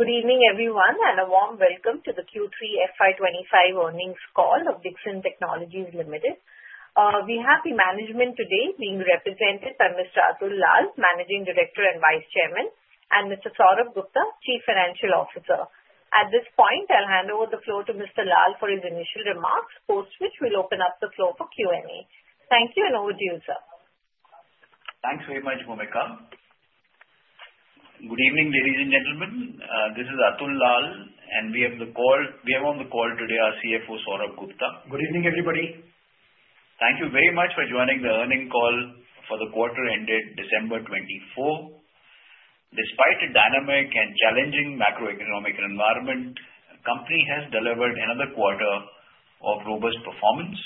Good evening, everyone, and a warm welcome to the Q3 FY 2025 Earnings Call of Dixon Technologies Limited. We have the management today being represented by Mr. Atul Lall, Managing Director and Vice Chairman, and Mr. Saurabh Gupta, Chief Financial Officer. At this point, I'll hand over the floor to Mr. Lall for his initial remarks, post which we'll open up the floor for Q&A. Thank you, and over to you, sir. Thanks very much, Bhoomika. Good evening, ladies and gentlemen. This is Atul Lall, and we have on the call today our CFO, Saurabh Gupta. Good evening, everybody. Thank you very much for joining the earnings call for the quarter ended December 2024. Despite a dynamic and challenging macroeconomic environment, the company has delivered another quarter of robust performance.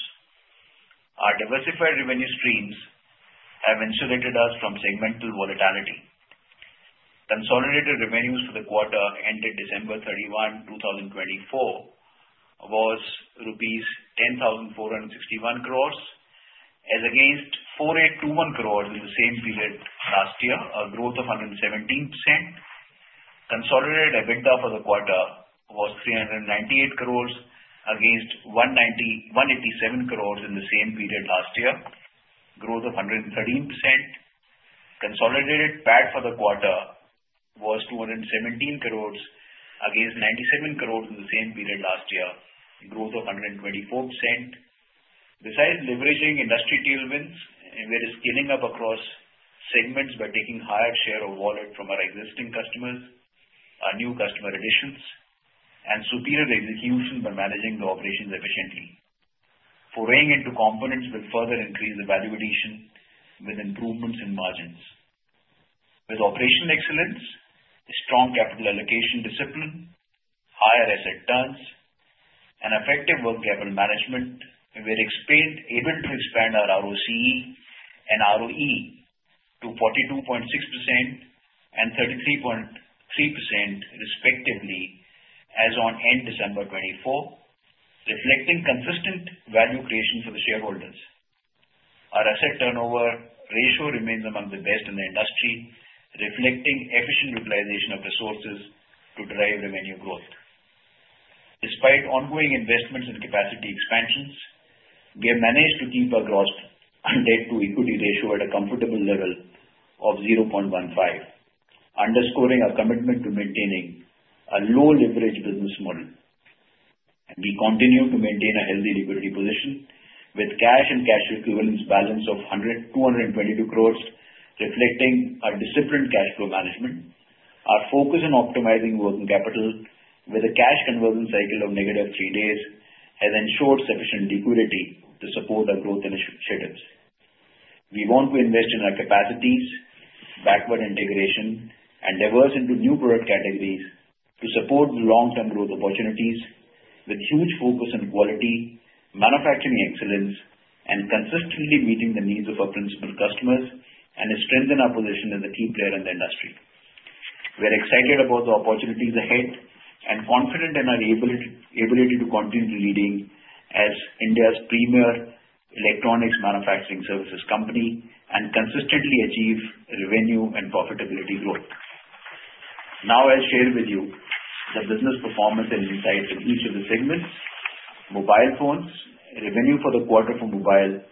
Our diversified revenue streams have insulated us from segmental volatility. Consolidated revenues for the quarter ended December 31, 2024, was rupees 10,461 crores as against 4,821 crores in the same period last year, a growth of 117%. Consolidated EBITDA for the quarter was 398 crores, against 187 crores in the same period last year, a growth of 113%. Consolidated PAT for the quarter was 217 crores, against 97 crores in the same period last year, a growth of 124%. Besides leveraging industry tailwinds, we are scaling up across segments by taking a higher share of wallet from our existing customers, our new customer additions, and superior execution by managing the operations efficiently. Foraying into components will further increase the value addition with improvements in margins. With operational excellence, strong capital allocation discipline, higher asset turns, and effective working capital management, we are able to expand our ROCE and ROE to 42.6% and 33.3%, respectively, as of end December 2024, reflecting consistent value creation for the shareholders. Our asset turnover ratio remains among the best in the industry, reflecting efficient utilization of resources to drive revenue growth. Despite ongoing investments and capacity expansions, we have managed to keep our gross debt-to-equity ratio at a comfortable level of 0.15, underscoring our commitment to maintaining a low-leverage business model. We continue to maintain a healthy liquidity position with cash and cash equivalents balance of 222 crores, reflecting our disciplined cash flow management. Our focus on optimizing working capital, with a cash conversion cycle of negative three days, has ensured sufficient liquidity to support our growth initiatives. We want to invest in our capacities, backward integration, and diversify into new product categories to support long-term growth opportunities, with huge focus on quality, manufacturing excellence, and consistently meeting the needs of our principal customers, and strengthen our position as a key player in the industry. We are excited about the opportunities ahead and confident in our ability to continue leading as India's premier electronics manufacturing services company and consistently achieve revenue and profitability growth. Now, I'll share with you the business performance and insights in each of the segments. Mobile phones revenue for the quarter for mobile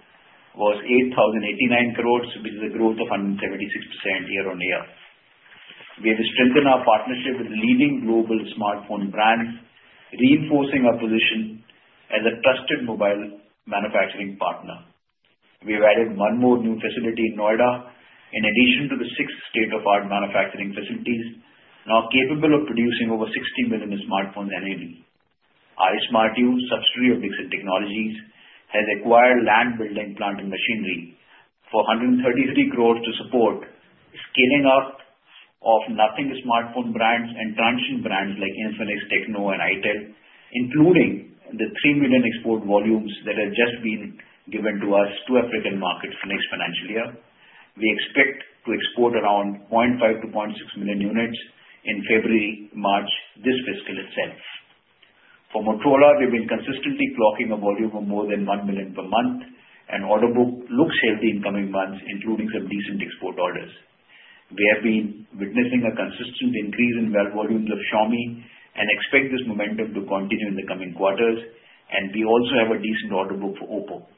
was 8,089 crores, which is a growth of 176% year-on-year. We have strengthened our partnership with leading global smartphone brands, reinforcing our position as a trusted mobile manufacturing partner. We have added one more new facility in Noida, in addition to the six state-of-the-art manufacturing facilities, now capable of producing over 60 million smartphones natively. Ismartu, subsidiary of Dixon Technologies, has acquired land, building, plant and machinery for 133 crores to support scaling up of Nothing smartphone brands and Transsion brands like Infinix, Tecno, and itel, including the 3 million export volumes that have just been given to us to African markets for next financial year. We expect to export around 0.5 million to 0.6 million units in February-March this fiscal itself. For Motorola, we've been consistently clocking a volume of more than 1 million per month, and the order book looks healthy in coming months, including some decent export orders. We have been witnessing a consistent increase in mobile volumes of Xiaomi and expect this momentum to continue in the coming quarters. We also have a decent order book for Oppo.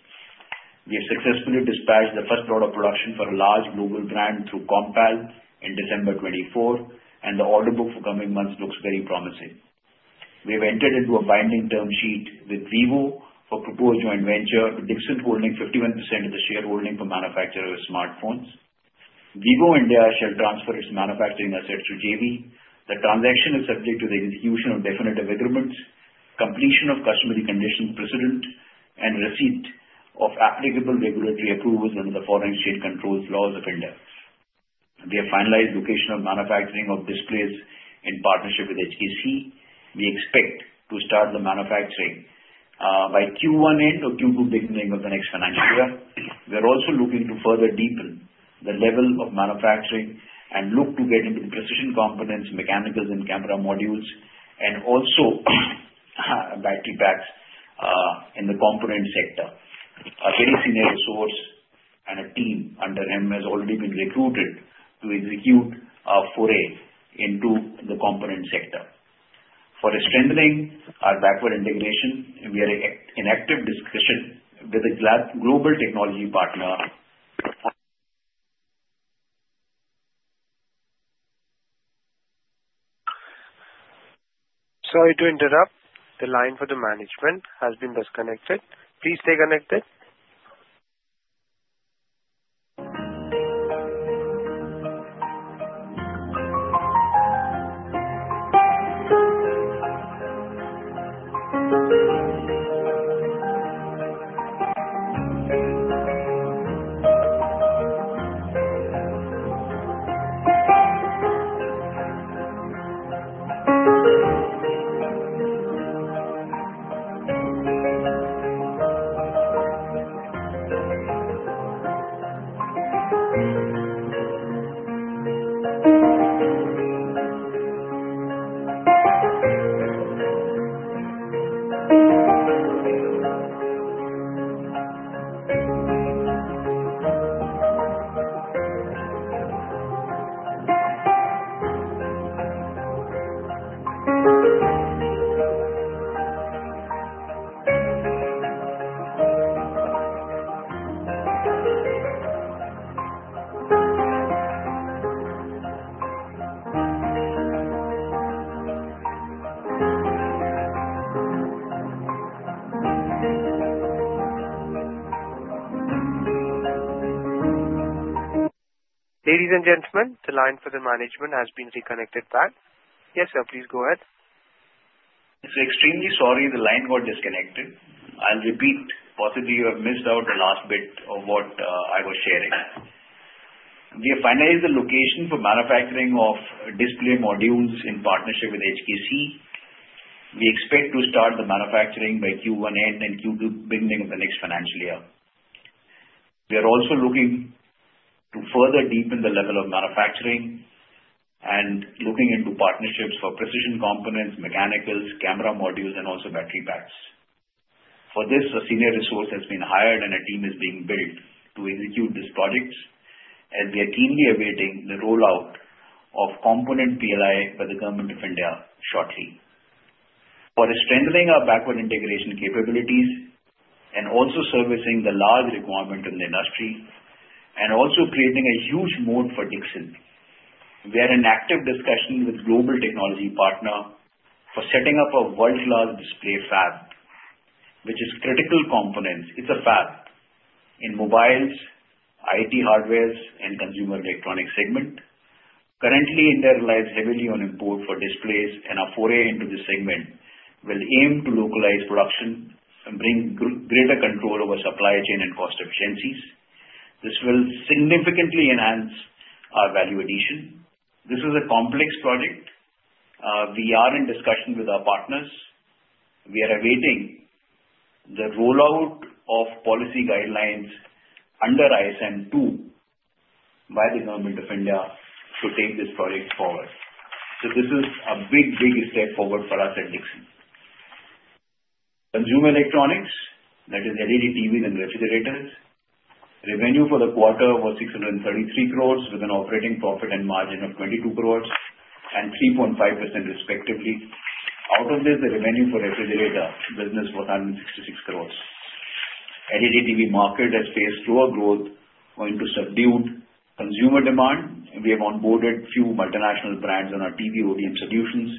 We have successfully dispatched the first lot of production for a large global brand through Compal in December 2024, and the order book for coming months looks very promising. We have entered into a binding term sheet with Vivo for a proposed joint venture, with Dixon holding 51% of the shareholding for manufacturing of smartphones. Vivo India shall transfer its manufacturing assets to JV. The transaction is subject to the execution of definitive agreements, completion of customary conditions precedent, and receipt of applicable regulatory approvals under the foreign trade controls laws of India. We have finalized the location of manufacturing of displays in partnership with HKC. We expect to start the manufacturing by Q1 end or Q2 beginning of the next financial year. We are also looking to further deepen the level of manufacturing and look to get into precision components, mechanicals, and camera modules, and also battery packs in the component sector. A very senior source and a team under him has already been recruited to execute foray into the component sector. For strengthening our backward integration, we are in active discussion with a global technology partner. Sorry to interrupt. The line for the management has been disconnected. Please stay connected. Ladies and gentlemen, the line for the management has been reconnected back. Yes, sir, please go ahead. I'm extremely sorry the line got disconnected. I'll repeat. Possibly, you have missed out the last bit of what I was sharing. We have finalized the location for manufacturing of display modules in partnership with HKC. We expect to start the manufacturing by Q1 end and Q2 beginning of the next financial year. We are also looking to further deepen the level of manufacturing and looking into partnerships for precision components, mechanicals, camera modules, and also battery packs. For this, a senior resource has been hired, and a team is being built to execute these projects, and we are keenly awaiting the rollout of component PLI by the Government of India shortly. For strengthening our backward integration capabilities and also servicing the large requirement in the industry and also creating a huge moat for Dixon, we are in active discussion with a global technology partner for setting up a world-class display fab, which is critical components. It's a fab in mobiles, IT hardware, and consumer electronics segment. Currently, India relies heavily on import for displays, and our foray into this segment will aim to localize production and bring greater control over supply chain and cost efficiencies. This will significantly enhance our value addition. This is a complex project. We are in discussion with our partners. We are awaiting the rollout of policy guidelines under Ismartu by the Government of India to take this project forward. So this is a big, big step forward for us at Dixon. Consumer electronics, that is LED TVs and refrigerators. Revenue for the quarter was 633 crores, with an operating profit and margin of 22 crores and 3.5%, respectively. Out of this, the revenue for refrigerator business was 166 crores. LED TV market has faced slower growth due to subdued consumer demand. We have onboarded a few multinational brands on our TV OEM solutions,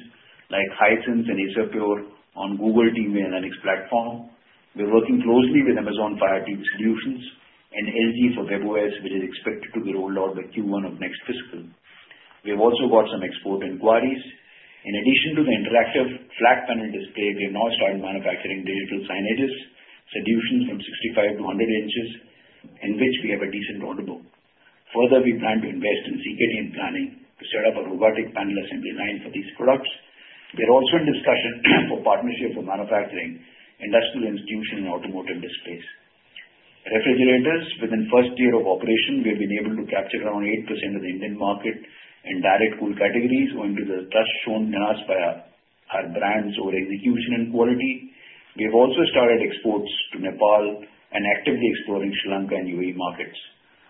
like Hisense and Acerpure, on Google TV and NX platform. We're working closely with Amazon Fire TV Solutions and LG for webOS, which is expected to be rolled out by Q1 of next fiscal. We have also got some export inquiries. In addition to the interactive flat panel display, we have now started manufacturing digital signage solutions from 65 inches to 100 inches, in which we have a decent order book. Further, we plan to invest in CKD and plan to set up a robotic panel assembly line for these products. We are also in discussion for partnerships with manufacturing, industrial institutions, and automotive displays. Refrigerators, within the first year of operation, we have been able to capture around 8% of the Indian market in direct cool categories, going to the trust shown to us by our brands over execution and quality. We have also started exports to Nepal and actively exploring Sri Lanka and UAE markets.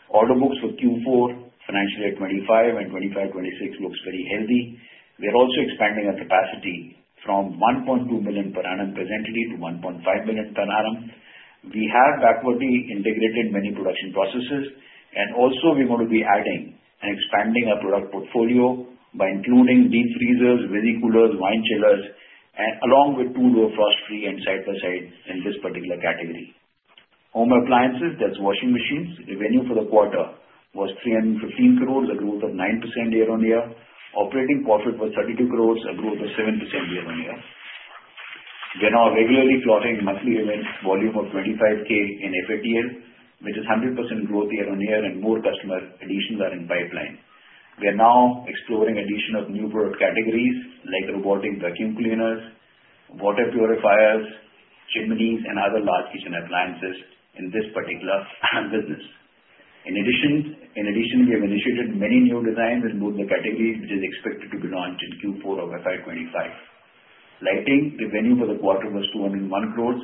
Order books for Q4, Financial Year 2025 and 2025-2026 looks very healthy. We are also expanding our capacity from 1.2 million per annum presently to 1.5 million per annum. We have backwardly integrated many production processes, and also we're going to be adding and expanding our product portfolio by including deep freezers, visi coolers, wine chillers, along with two door frost-free and side-by-side in this particular category. Home appliances, that's washing machines. Revenue for the quarter was 315 crores, a growth of 9% year-on-year. Operating profit was 32 crores, a growth of 7% year-on-year. We are now regularly clocking monthly revenue volume of 25k units in FATL, which is 100% growth year-on-year, and more customer additions are in pipeline. We are now exploring the addition of new product categories like robotic vacuum cleaners, water purifiers, chimneys, and other large kitchen appliances in this particular business. In addition, we have initiated many new designs in both the categories, which is expected to be launched in Q4 of FY 2025. Lighting revenue for the quarter was 201 crores,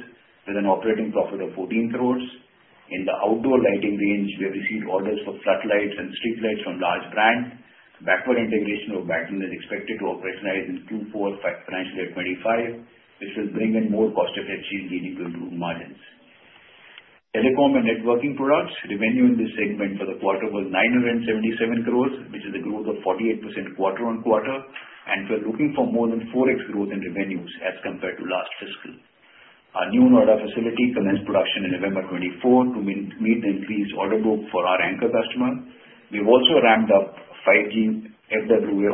with an operating profit of 14 crores. In the outdoor lighting range, we have received orders for floodlights and streetlights from large brands. Backward integration of backlight is expected to operationalize in Q4 Financial Year 2025, which will bring in more cost-effective changes leading to improved margins. Telecom and networking products revenue in this segment for the quarter was 977 crores, which is a growth of 48% quarter-on-quarter, and we're looking for more than 4x growth in revenues as compared to last fiscal. Our new Noida facility commenced production in November 2024 to meet the increased order book for our anchor customer. We've also ramped up 5G FWA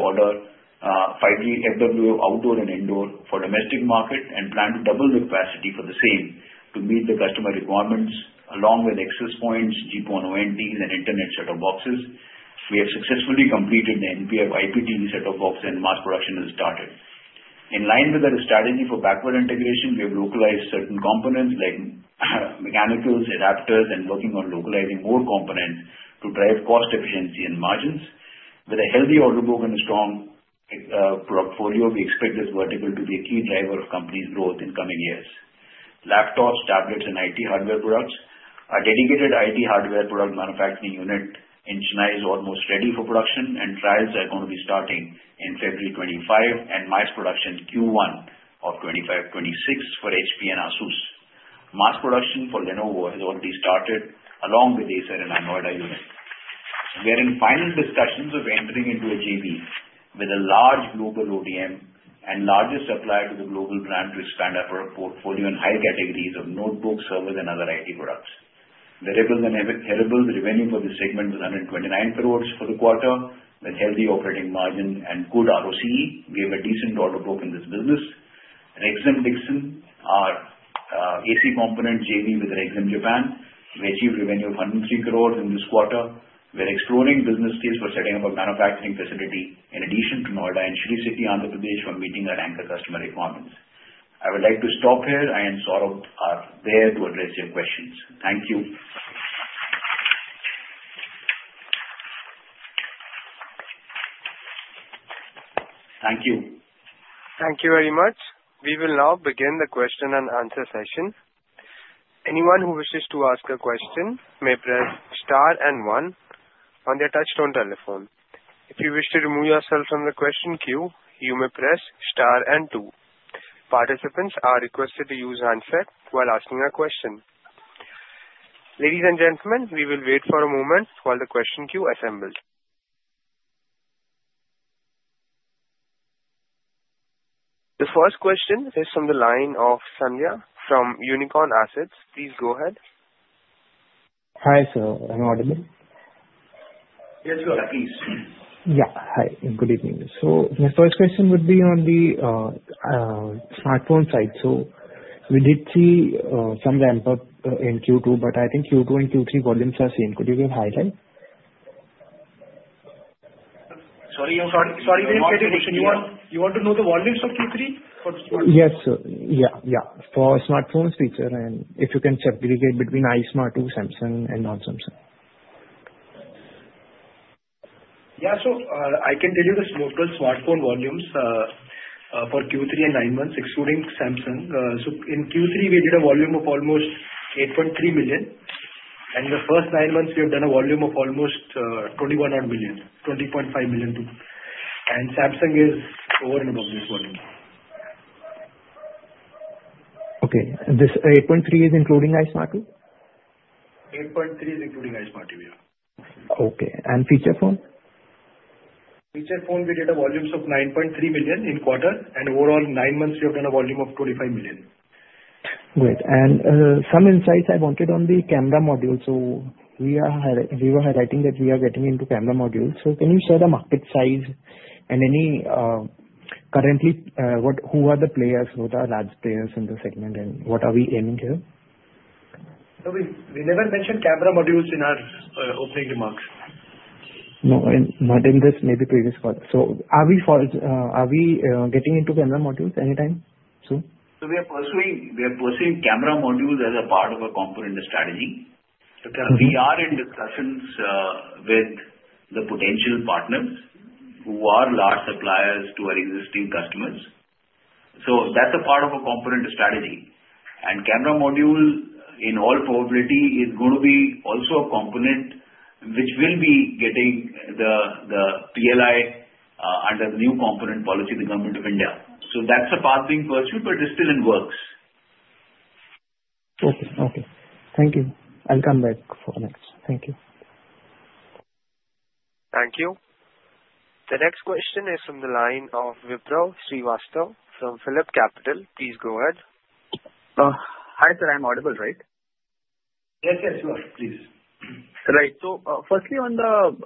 outdoor and indoor for the domestic market and plan to double the capacity for the same to meet the customer requirements along with access points, GPON ONTs, and internet set-top boxes. We have successfully completed the NPI IPTV set-top box, and mass production has started. In line with our strategy for backward integration, we have localized certain components like mechanicals, adapters, and working on localizing more components to drive cost efficiency and margins. With a healthy order book and a strong portfolio, we expect this vertical to be a key driver of the company's growth in coming years. Laptops, tablets, and IT hardware products are dedicated IT hardware product manufacturing units, engineers almost ready for production, and trials are going to be starting in February 2025 and mass production Q1 of 2025-2026 for HP and Asus. Mass production for Lenovo has already started along with the Acer and Android unit. We are in final discussions of entering into a JV with a large global ODM and largest supplier to the global brand to expand our portfolio in high categories of notebooks, servers, and other IT products. The revenue for this segment was 129 crores for the quarter, with healthy operating margins and good ROCE. We have a decent order book in this business. Rexxam Dixon, our AC component JV with Rexxam Japan, we achieved revenue of 103 crores in this quarter. We are exploring business deals for setting up a manufacturing facility in addition to Noida and Sri City, Andhra Pradesh, for meeting our anchor customer requirements. I would like to stop here. I and Saurabh are there to address your questions. Thank you. Thank you. Thank you very much. We will now begin the question and answer session. Anyone who wishes to ask a question may press star and one on their touch-tone telephone. If you wish to remove yourself from the question queue, you may press star and two. Participants are requested to use handsets while asking a question. Ladies and gentlemen, we will wait for a moment while the question queue assembles. The first question is from the line of Surya from Unicorn Assets. Please go ahead. Hi, sir. Am I audible? Yes, sir. Please. Yeah. Hi. Good evening. So my first question would be on the smartphone side. So we did see some ramp-up in Q2, but I think Q2 and Q3 volumes are the same. Could you give a highlight? Sorry, sorry, sorry. You want to know the volumes of Q3? Yes, sir. Yeah, yeah. For smartphones feature, and if you can segregate between Ismartu, Samsung, and non-Samsung. Yeah, so I can tell you the local smartphone volumes for Q3 and nine months, excluding Samsung. So in Q3, we did a volume of almost 8.3 million. And in the first nine months, we have done a volume of almost 21-odd million, 20.5 million too. And Samsung is over and above this volume. Okay. This 8.3 is including Ismartu? 8.3 is including iSmartu, yeah. Okay. And feature phone? Feature phones, we did a volume of 9.3 million in quarter, and overall, nine months, we have done a volume of 25 million. Great. And some insights I wanted on the camera module. So we were highlighting that we are getting into camera modules. So can you share the market size and currently who are the players, who are the large players in the segment, and what are we aiming here? We never mentioned camera modules in our opening remarks. No, not in this, maybe previous call. At this point, are we getting into camera modules anytime soon? We are pursuing camera modules as a part of a component strategy. We are in discussions with the potential partners who are large suppliers to our existing customers. That's a part of a component strategy. Camera module, in all probability, is going to be also a component which will be getting the PLI under the new component policy of the Government of India. That's a path being pursued, but it's still in the works. Okay, okay. Thank you. I'll come back for the next. Thank you. Thank you. The next question is from the line of Vikram Srivastava from PhillipCapital. Please go ahead. Hi, sir. I'm audible, right? Yes, yes, sure. Please. Right. So firstly, on the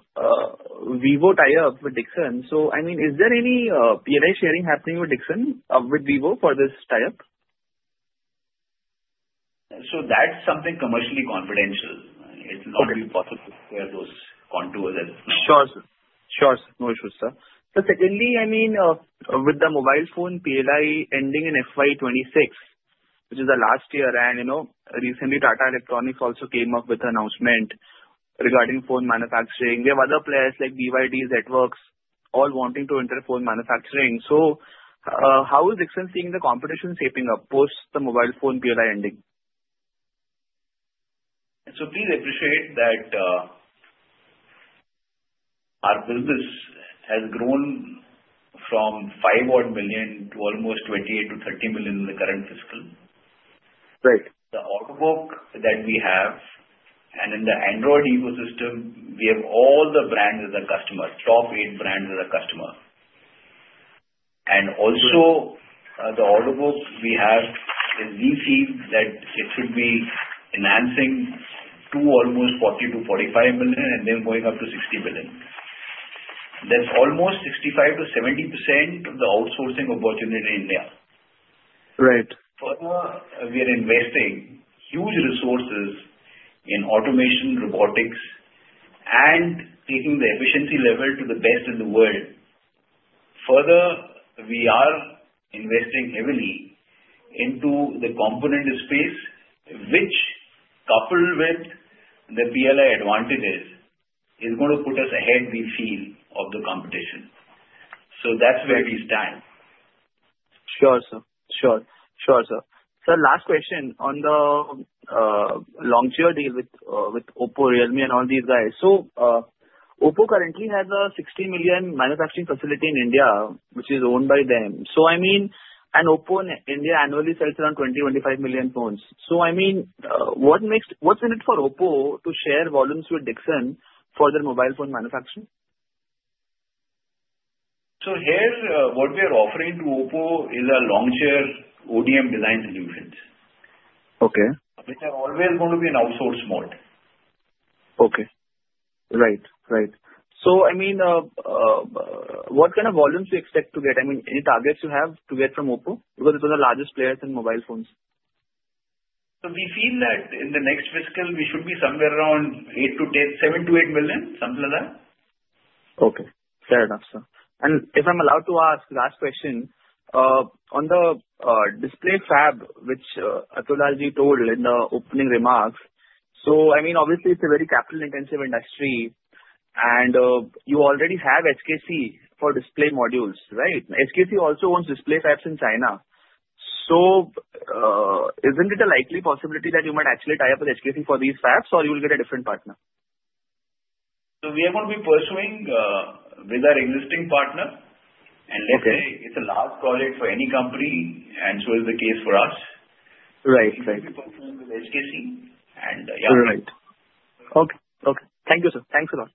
Vivo tie-up with Dixon, so I mean, is there any PLI sharing happening with Dixon, with Vivo for this tie-up? So that's something commercially confidential. It's not really possible to share those contours at this point. Sure, sir. Sure, sir. No issues, sir. So secondly, I mean, with the mobile phone PLI ending in FY 2026, which is the last year, and recently, Tata Electronics also came up with an announcement regarding phone manufacturing. We have other players like BYD, Networks, all wanting to enter phone manufacturing. So how is Dixon seeing the competition shaping up post the mobile phone PLI ending? Please appreciate that our business has grown from 5 million crores to almost 28 million crores to 30 million crores in the current fiscal. Right. The order book that we have and in the Android ecosystem, we have all the brands as a customer, top eight brands as a customer. And also, the order book we have is we see that it should be enhancing to almost 40 million crores to 45 million crores, and then going up to 60 million crores. That's almost 65% to 70% of the outsourcing opportunity in India. Right. Further, we are investing huge resources in automation, robotics, and taking the efficiency level to the best in the world. Further, we are investing heavily into the component space, which, coupled with the PLI advantages, is going to put us ahead, we feel, of the competition. So that's where we stand. Sure, sir. Sure, sure, sir. Sir, last question on the long-term deal with Oppo, Realme, and all these guys. So Oppo currently has a 60 million crores manufacturing facility in India, which is owned by them. So I mean, and Oppo in India annually sells around 20 million to 25 million phones. So I mean, what's in it for Oppo to share volumes with Dixon for their mobile phone manufacturing? Here, what we are offering to OPPO is a long-tier ODM design solution, which are always going to be in outsource mode. Okay. Right, right. So I mean, what kind of volumes do you expect to get? I mean, any targets you have to get from Oppo because it was the largest player in mobile phones? So we feel that in the next fiscal, we should be somewhere around 7 million crores to 8 million crores, something like that. Okay. Fair enough, sir. If I'm allowed to ask the last question, on the display fab, which Atul Lall told in the opening remarks, so I mean, obviously, it's a very capital-intensive industry, and you already have HKC for display modules, right? HKC also owns display fabs in China. So isn't it a likely possibility that you might actually tie up with HKC for these fabs, or you will get a different partner? We are going to be pursuing with our existing partner, and let's say it's a large project for any company, and so is the case for us. Right, right. We will be pursuing with HKC, and yeah. Right. Okay, okay. Thank you, sir. Thanks a lot.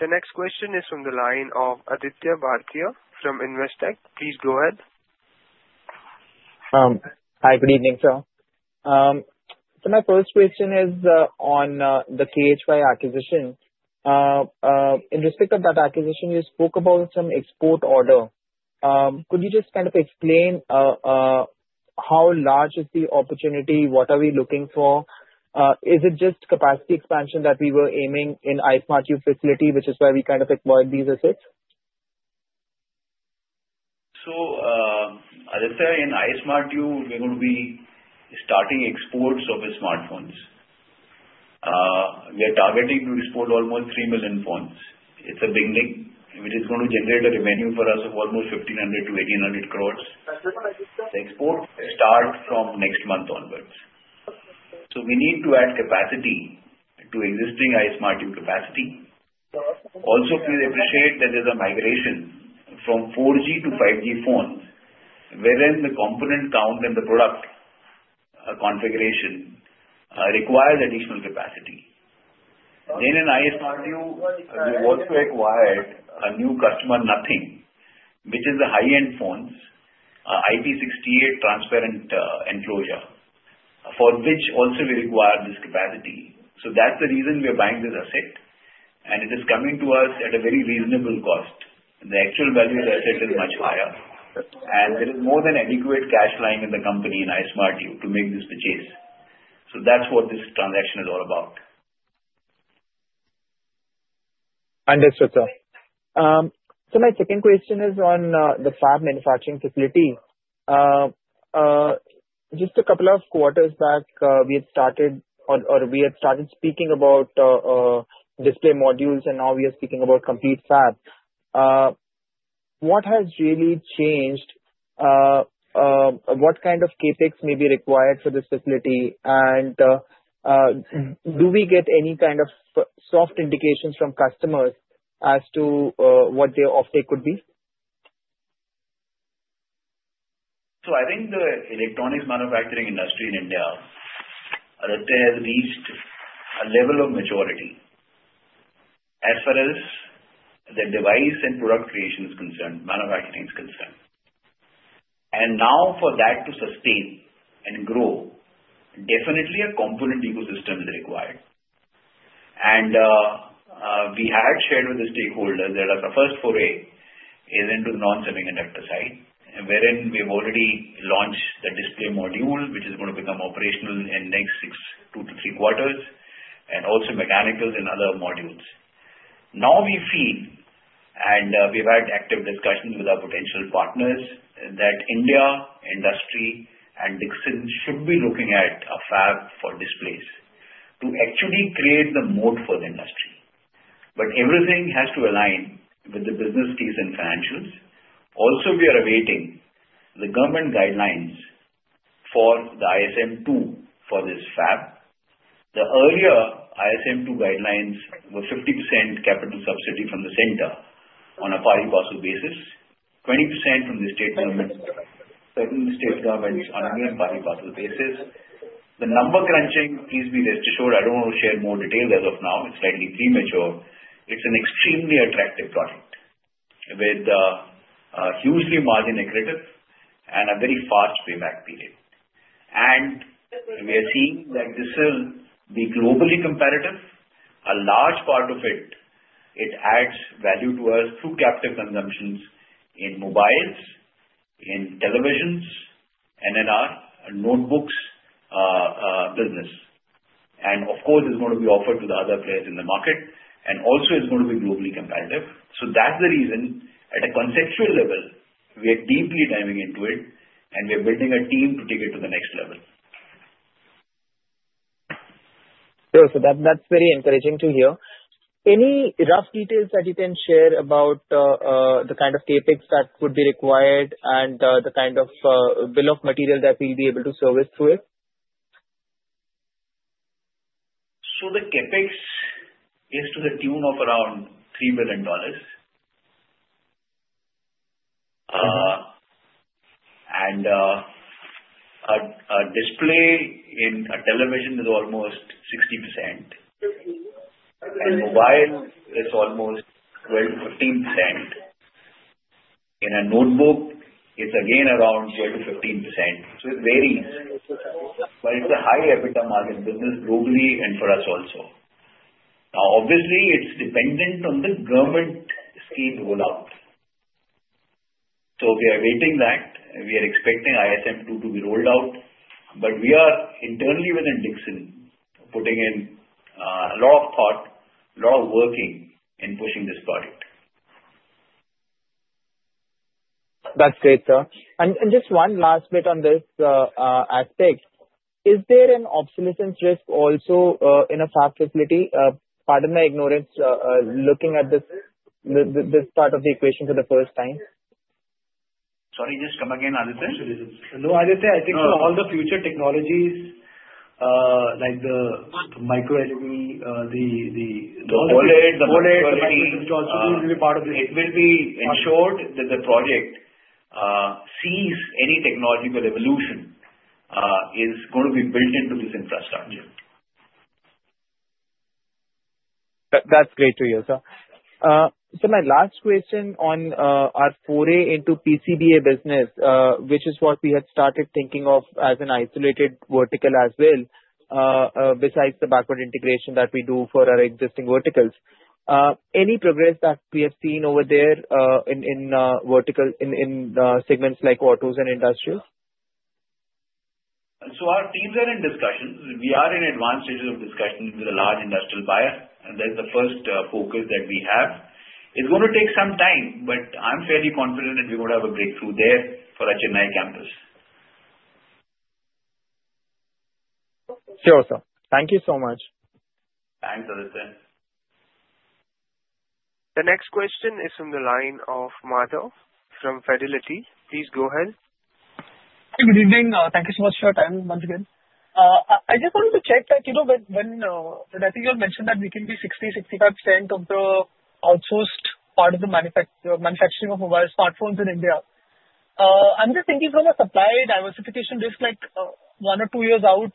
The next question is from the line of Aditya Bhartiya from Investec. Please go ahead. Hi, good evening, sir. So my first question is on the KHY acquisition. In respect of that acquisition, you spoke about some export order. Could you just kind of explain how large is the opportunity? What are we looking for? Is it just capacity expansion that we were aiming in Ismartu facility, which is why we kind of acquired these assets? As I said, in Ismartu, we're going to be starting exports of smartphones. We are targeting to export almost 3 million phones. It's a big leap. It is going to generate a revenue for us of almost 1,500 crores to 1,800 crores. The exports start from next month onwards. So we need to add capacity to existing Ismartu capacity. Also, please appreciate that there's a migration from 4G to 5G phones, wherein the component count and the product configuration requires additional capacity. Then in Ismartu, we also acquired a new customer, Nothing, which is the high-end phones, IP68 transparent enclosure, for which also we require this capacity. So that's the reason we are buying this asset, and it is coming to us at a very reasonable cost. The actual value of the asset is much higher, and there is more than adequate cash lying in the company in Ismartu to make this the case. So that's what this transaction is all about. Understood, sir. So my second question is on the fab manufacturing facility. Just a couple of quarters back, we had started speaking about display modules, and now we are speaking about complete fab. What has really changed? What kind of CapEx may be required for this facility, and do we get any kind of soft indications from customers as to what their offtake could be? So I think the electronics manufacturing industry in India, let's say, has reached a level of maturity as far as the device and product creation is concerned, manufacturing is concerned, and now, for that to sustain and grow, definitely a component ecosystem is required, and we had shared with the stakeholders that our first foray is into the non-semiconductor side, wherein we have already launched the display module, which is going to become operational in the next two to three quarters, and also mechanicals and other modules. Now, we feel, and we've had active discussions with our potential partners, that Indian industry and Dixon should be looking at a fab for displays to actually create the moat for the industry, but everything has to align with the business case and financials. Also, we are awaiting the government guidelines for the Ismartu for this fab. The earlier Ismartu guidelines were 50% capital subsidy from the center on a pari-passu basis, 20% from the state government, certainly state governments on a pari-passu basis. The number crunching, please be rest assured, I don't want to share more details as of now. It's slightly premature. It's an extremely attractive product with a huge margin-accretive and a very fast payback period. And we are seeing that this is globally competitive. A large part of it, it adds value to us through captive consumptions in mobiles, in televisions, in our notebooks business. And of course, it's going to be offered to the other players in the market, and also, it's going to be globally competitive. So that's the reason at a conceptual level, we are deeply diving into it, and we are building a team to take it to the next level. Sure. So that's very encouraging to hear. Any rough details that you can share about the kind of CapEx that would be required and the kind of bill of material that we'll be able to service through it? So the CapEx is to the tune of around $3 million. And a display in a television is almost 60%, and mobile is almost 12%-15%. In a notebook, it's again around 12% to 15%. So it varies, but it's a high EBITDA market business globally and for us also. Now, obviously, it's dependent on the government scheme rollout. So we are awaiting that. We are expecting ISM 2 to be rolled out, but we are internally within Dixon putting in a lot of thought, a lot of working in pushing this product. That's great, sir, and just one last bit on this aspect. Is there an obsolescence risk also in a fab facility? Pardon my ignorance, looking at this part of the equation for the first time. Sorry, just come again, Aditya? No, Aditya, I think for all the future technologies like the MicroLED, the OLED, the microLED technologies will be part of this. It will be ensured that the project sees any technological evolution is going to be built into this infrastructure. That's great to hear, sir. So my last question on our foray into PCBA business, which is what we had started thinking of as an isolated vertical as well, besides the backward integration that we do for our existing verticals. Any progress that we have seen over there in vertical in segments like autos and industrials? Our teams are in discussions. We are in advanced stages of discussions with a large industrial buyer, and that's the first focus that we have. It's going to take some time, but I'm fairly confident that we're going to have a breakthrough there for Noida campus. Sure, sir. Thank you so much. Thanks, Aditya. The next question is from the line of Madhav from Fidelity. Please go ahead. Hi, good evening. Thank you so much for your time once again. I just wanted to check that when I think you had mentioned that we can be 60%-65% of the outsourced part of the manufacturing of mobile smartphones in India. I'm just thinking from a supply diversification risk, like one or two years out,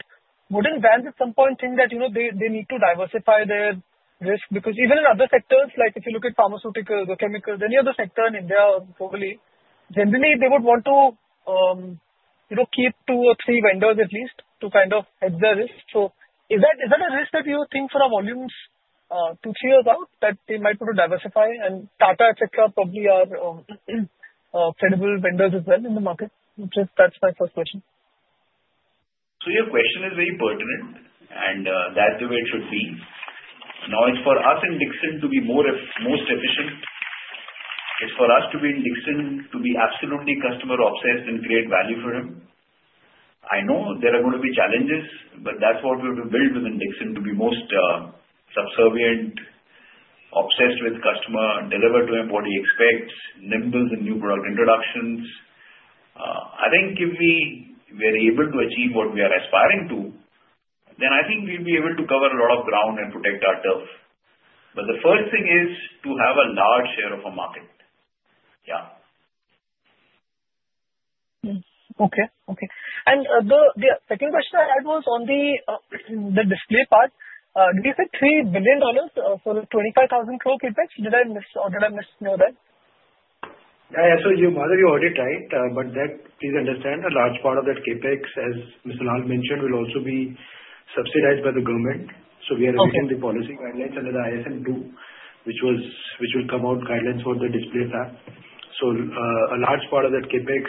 wouldn't brands at some point think that they need to diversify their risk? Because even in other sectors, like if you look at pharmaceutical, the chemical, any other sector in India globally, generally, they would want to keep two or three vendors at least to kind of hedge their risk. So is that a risk that you think for our volumes two to three years out that they might want to diversify? And Tata, etc., probably are credible vendors as well in the market. Just that's my first question. So your question is very pertinent, and that's the way it should be. Now, it's for us in Dixon to be most efficient. It's for us to be in Dixon to be absolutely customer-obsessed and create value for him. I know there are going to be challenges, but that's what we will build within Dixon to be most subservient, obsessed with customer and deliver to him what he expects, nimble in new product introductions. I think if we are able to achieve what we are aspiring to, then I think we'll be able to cover a lot of ground and protect our turf. But the first thing is to have a large share of our market. Yeah. Okay, okay. And the second question I had was on the display part. Did you say $3 billion for 25,000 crore CapEx? Did I miss or did I mishear that? Yeah, so Madhav, you heard it right, but please understand a large part of that CapEx, as Mr. Lall mentioned, will also be subsidized by the government. So we are reaching the policy guidelines under theIsmartu, which will come out guidelines for the display fab. So a large part of that CapEx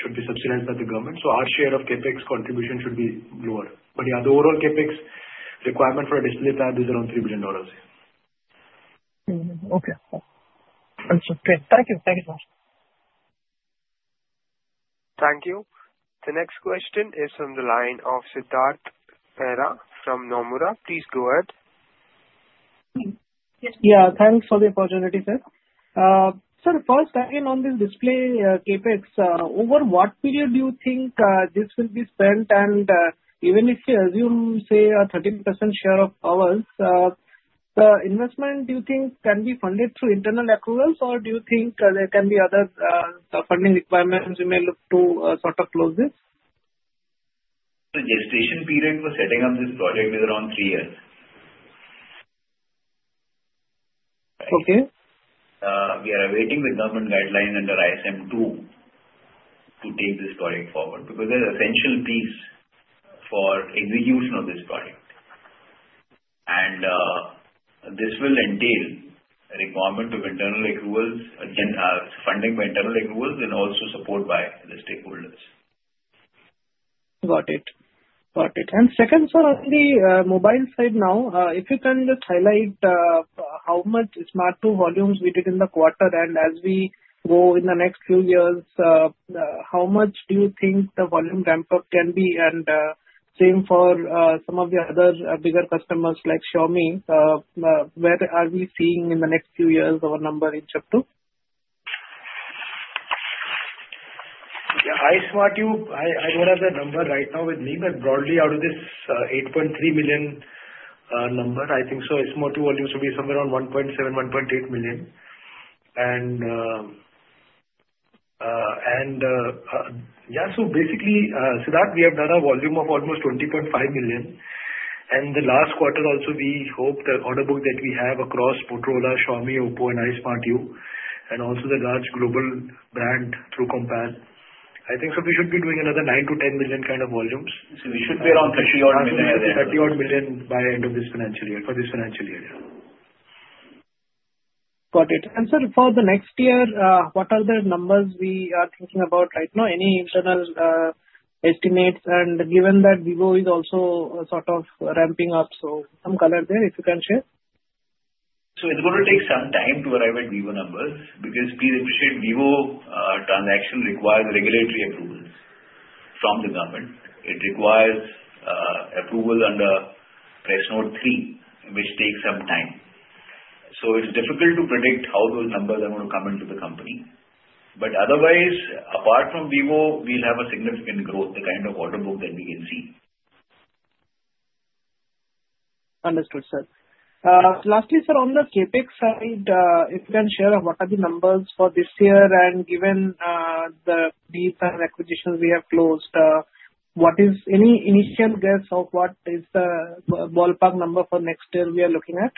should be subsidized by the government. So our share of CapEx contribution should be lower. But yeah, the overall CapEx requirement for a display fab is around $3 billion. Okay. Understood. Great. Thank you. Thank you so much. Thank you. The next question is from the line of Siddhartha Bera from Nomura. Please go ahead. Yeah, thanks for the opportunity, sir. So the first question on this display CapEx, over what period do you think this will be spent? And even if you assume, say, a 13% share of ours, the investment, do you think can be funded through internal accruals, or do you think there can be other funding requirements we may look to sort of close this? The gestation period for setting up this project is around three years. Okay. We are awaiting the government guidelines under Ismartu to take this project forward because there's an essential piece for execution of this project. This will entail a requirement of internal accruals, funding by internal accruals, and also support by the stakeholders. Got it. Got it. And second, for the mobile side now, if you can just highlight how much smartphone volumes we did in the quarter, and as we go in the next few years, how much do you think the volume ramp-up can be? And same for some of the other bigger customers like Xiaomi, where are we seeing in the next few years our number in that too? Yeah, iSmartu, I don't have the number right now with me, but broadly, out of this 8.3 million number, I think so, iSmartu volumes will be somewhere around 1.7 million, 1.8 million. And yeah, so basically, Siddhartha, we have done a volume of almost 20.5 million. And the last quarter, also, we hope the order book that we have across Motorola, Xiaomi, Oppo, and iSmartu, and also the large global brand through Compal, I think so, we should be doing another 9 million to 10 million kind of volumes. So we should be around 30-odd million by the end of this financial year, for this financial year. Got it. Sir, for the next year, what are the numbers we are thinking about right now? Any internal estimates? Given that Vivo is also sort of ramping up, so some color there, if you can share? So it's going to take some time to arrive at Vivo numbers because please appreciate Vivo transaction requires regulatory approvals from the government. It requires approval under Press Note 3, which takes some time. So it's difficult to predict how those numbers are going to come into the company. But otherwise, apart from Vivo, we'll have a significant growth, the kind of order book that we can see. Understood, sir. Lastly, sir, on the CapEx side, if you can share what are the numbers for this year, and given the new acquisitions we have closed, what is any initial guess of what is the ballpark number for next year we are looking at?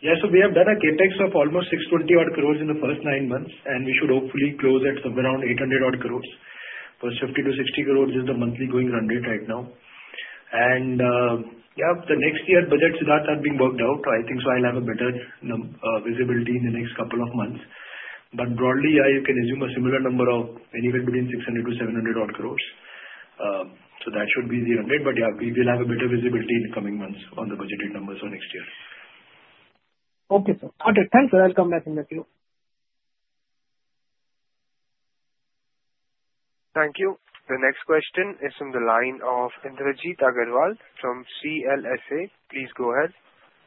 Yeah, so we have done a CapEx of almost 620-odd crores in the first nine months, and we should hopefully close at around 800-odd crores. For 50 cores to 60 crores, this is the monthly going rate right now. And yeah, the next year budgets, Siddhartha, are being worked out. I think so, I'll have a better visibility in the next couple of months. But broadly, yeah, you can assume a similar number of anywhere between 600 crores to 700-odd crores. So that should be the rate. But yeah, we will have a better visibility in the coming months on the budgeted numbers for next year. Okay, sir. Got it. Thanks. I'll come back in a few. Thank you. The next question is from the line of Indrajit Agarwal from CLSA. Please go ahead.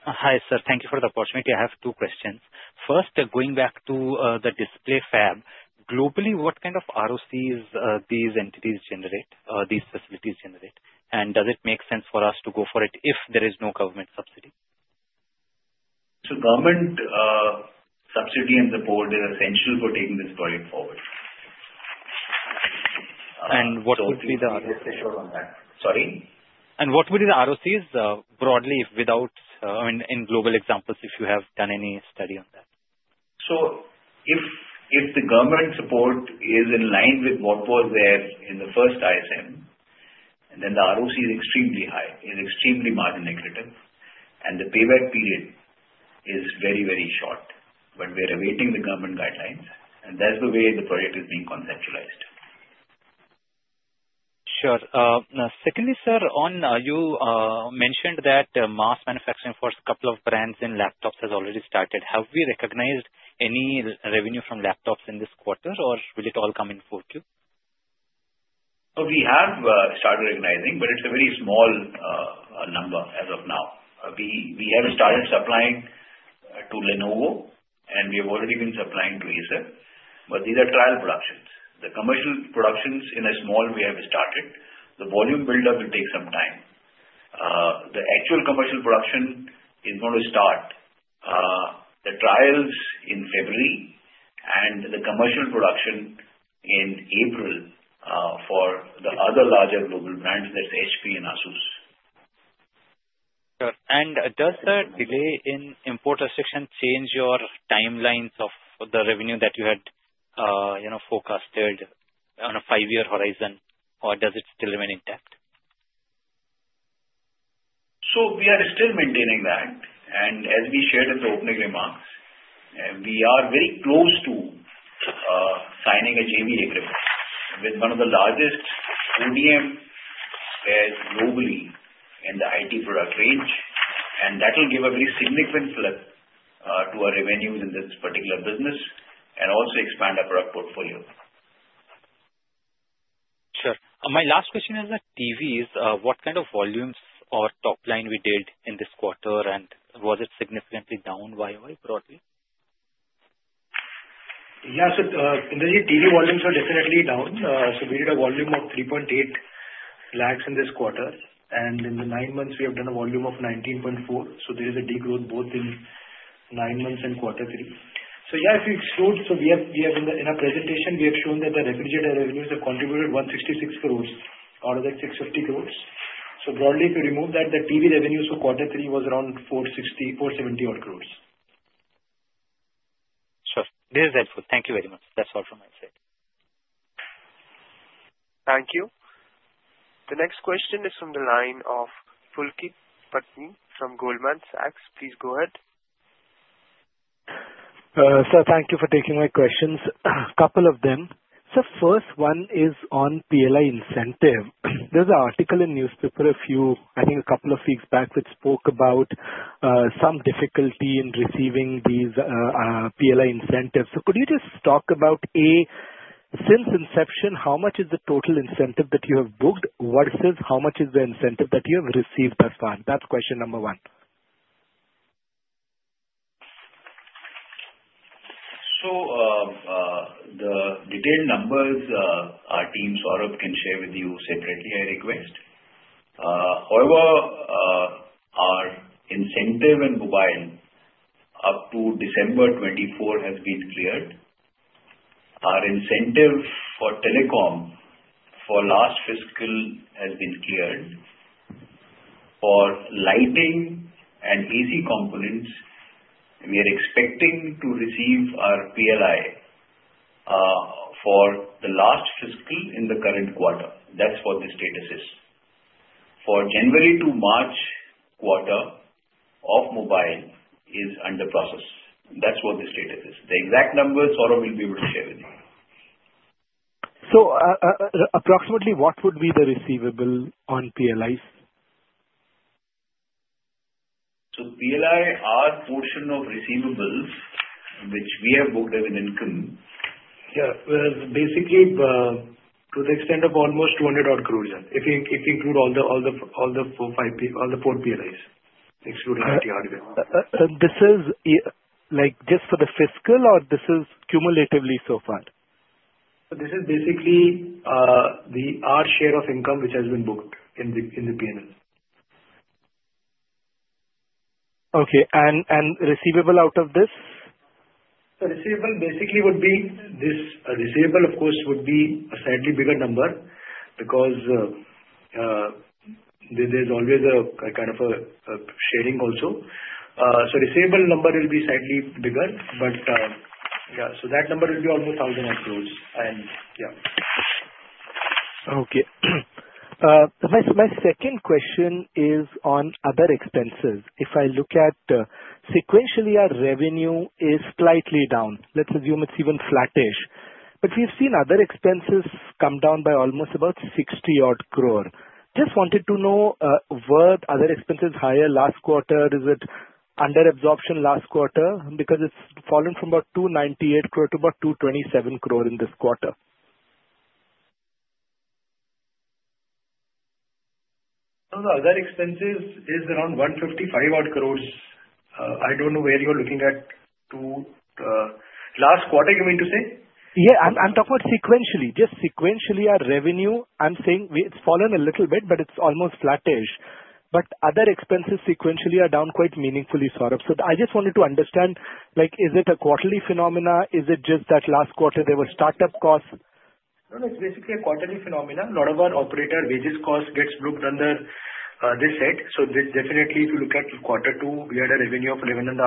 Hi, sir. Thank you for the opportunity. I have two questions. First, going back to the display fab, globally, what kind of ROCEs these entities generate, these facilities generate? And does it make sense for us to go for it if there is no government subsidy? Government subsidy and support is essential for taking this project forward. What would be the ROC so just to be sure on that. Sorry? What would be the ROCE broadly without any global examples, if you have done any study on that? So if the government support is in line with what was there in the first ISM, then the ROC is extremely high. It's extremely margin accretive. And the payback period is very, very short when we're awaiting the government guidelines. And that's the way the project is being conceptualized. Sure. Now, secondly, sir, you mentioned that mass manufacturing for a couple of brands in laptops has already started. Have we recognized any revenue from laptops in this quarter, or will it all come in 4Q? So we have started recognizing, but it's a very small number as of now. We have started supplying to Lenovo, and we have already been supplying to Acer. But these are trial productions. The commercial productions in a small way have started. The volume buildup will take some time. The actual commercial production is going to start, the trials in February, and the commercial production in April for the other larger global brands, that's HP and Asus. Sure. And does the delay in import restriction change your timelines of the revenue that you had forecasted on a five-year horizon, or does it still remain intact? We are still maintaining that. As we shared in the opening remarks, we are very close to signing a JV agreement with one of the largest ODMs globally in the IT product range. That will give a very significant flip to our revenues in this particular business and also expand our product portfolio. Sure. My last question is TVs. What kind of volumes or top line we did in this quarter, and was it significantly down? Why broadly? Yeah, so Indrajit, TV volumes are definitely down. So we did a volume of 3.8 lakhs in this quarter. And in the nine months, we have done a volume of 19.4 lakhs. So there is a degrowth both in nine months and quarter three. So yeah, if you exclude, in our presentation, we have shown that the refrigerator revenues have contributed 166 crores out of that 650 crores. So broadly, if you remove that, the TV revenues for quarter three was around 470-odd crores. Sure. This is helpful. Thank you very much. That's all from my side. Thank you. The next question is from the line of Pulkit Patni from Goldman Sachs. Please go ahead. Sir, thank you for taking my questions. A couple of them. So first one is on PLI incentive. There was an article in newspaper a few, I think a couple of weeks back, which spoke about some difficulty in receiving these PLI incentives. So could you just talk about, A, since inception, how much is the total incentive that you have booked versus how much is the incentive that you have received thus far? That's question number one. The detailed numbers our team's Saurabh can share with you separately, I request. However, our incentive on mobile up to December 24 has been cleared. Our incentive for telecom for last fiscal has been cleared. For lighting and PC components, we are expecting to receive our PLI for the last fiscal in the current quarter. That's what the status is. For January to March quarter of mobile is under process. That's what the status is. The exact numbers Saurabh will be able to share with you. So approximately, what would be the receivable on PLIs? So PLI, our portion of receivables, which we have booked as an income. Yeah, basically, to the extent of almost 200-odd crores, yeah, if you include all the four PLIs, excluding IT hardware. This is just for the fiscal, or this is cumulatively so far? This is basically our share of income which has been booked in the P&L. Okay. And receivable out of this? Receivables basically would be this receivables, of course, would be a slightly bigger number because there's always a kind of a sharing also. Receivables number will be slightly bigger. Yeah, so that number will be almost 1,000-odd crores. Yeah. Okay. My second question is on other expenses. If I look at sequentially, our revenue is slightly down. Let's assume it's even flattish. But we've seen other expenses come down by almost about 60-odd crores. Just wanted to know, were other expenses higher last quarter? Is it under absorption last quarter? Because it's fallen from about 298 crores to about 227 crores in this quarter. No, no. Other expenses is around 155-odd crores. I don't know where you're looking at last quarter, you mean to say? Yeah. I'm talking about sequentially. Just sequentially, our revenue, I'm saying it's fallen a little bit, but it's almost flattish. But other expenses sequentially are down quite meaningfully, Saurabh. So I just wanted to understand, is it a quarterly phenomenon? Is it just that last quarter there were startup costs? No, no. It's basically a quarterly phenomenon. A lot of our operator wages cost gets booked under this head. So definitely, if you look at quarter two, we had a revenue of 11,500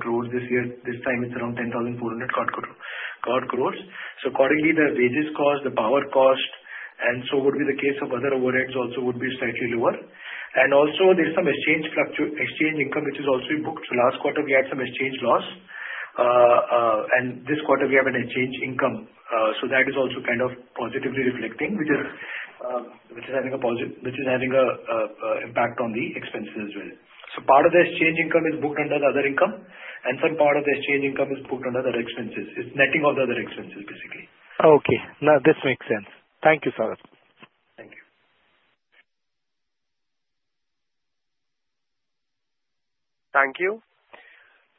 crores this year. This time, it's around 10,400-odd crores. So accordingly, the wages cost, the power cost, and so would be the case of other overheads also would be slightly lower. And also, there's some exchange income which is also booked. Last quarter, we had some exchange loss. And this quarter, we have an exchange income. So that is also kind of positively reflecting, which is having a positive impact on the expenses as well. So part of the exchange income is booked under the other income, and some part of the exchange income is booked under the other expenses. It's netting of the other expenses, basically. Okay. Now, this makes sense. Thank you, Saurabh. Thank you. Thank you.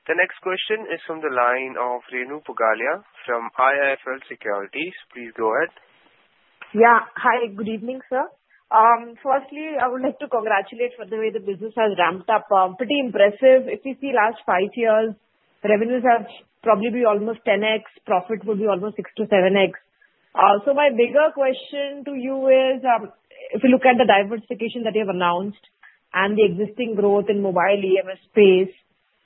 The next question is from the line of Renu Pugalia from IIFL Securities. Please go ahead. Yeah. Hi. Good evening, sir. Firstly, I would like to congratulate for the way the business has ramped up. Pretty impressive. If you see last five years, revenues have probably been almost 10x. Profit will be almost 6x to 7x. So my bigger question to you is, if you look at the diversification that you have announced and the existing growth in mobile EMS space,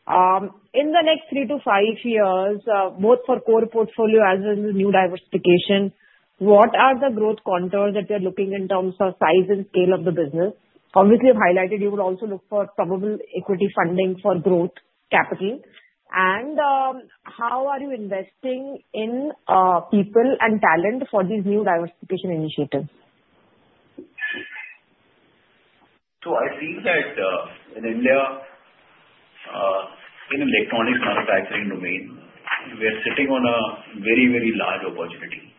in the next three to five years, both for core portfolio as well as new diversification, what are the growth contours that you're looking in terms of size and scale of the business? Obviously, you've highlighted you would also look for probable equity funding for growth capital. And how are you investing in people and talent for these new diversification initiatives? I think that in India, in electronics manufacturing domain, we are sitting on a very, very large opportunity.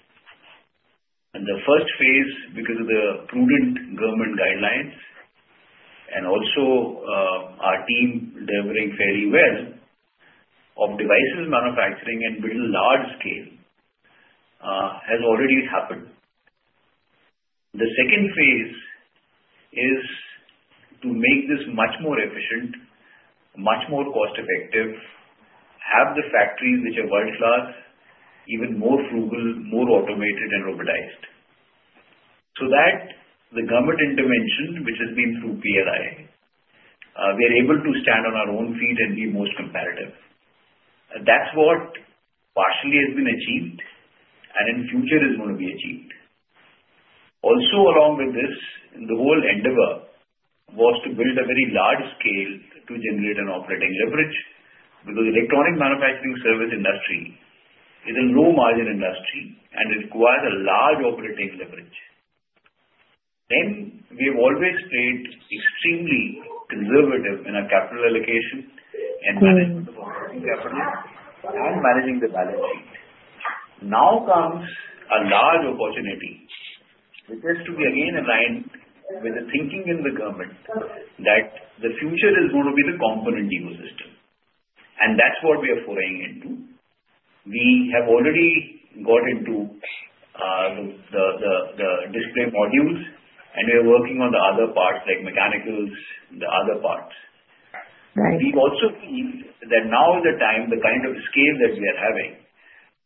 The first phase, because of the prudent government guidelines and also our team delivering fairly well of devices manufacturing and building large scale, has already happened. The second phase is to make this much more efficient, much more cost-effective, have the factories which are world-class, even more frugal, more automated, and robotized. That the government intervention, which has been through PLI, we are able to stand on our own feet and be most competitive. That's what partially has been achieved and in future is going to be achieved. Also, along with this, the whole endeavor was to build a very large scale to generate an operating leverage because electronic manufacturing service industry is a low-margin industry and requires a large operating leverage. Then we have always played extremely conservative in our capital allocation and management of operating capital and managing the balance sheet. Now comes a large opportunity. It has to be again aligned with the thinking in the government that the future is going to be the component ecosystem. And that's what we are foraying into. We have already got into the display modules, and we are working on the other parts like mechanicals and the other parts. We also see that now is the time, the kind of scale that we are having,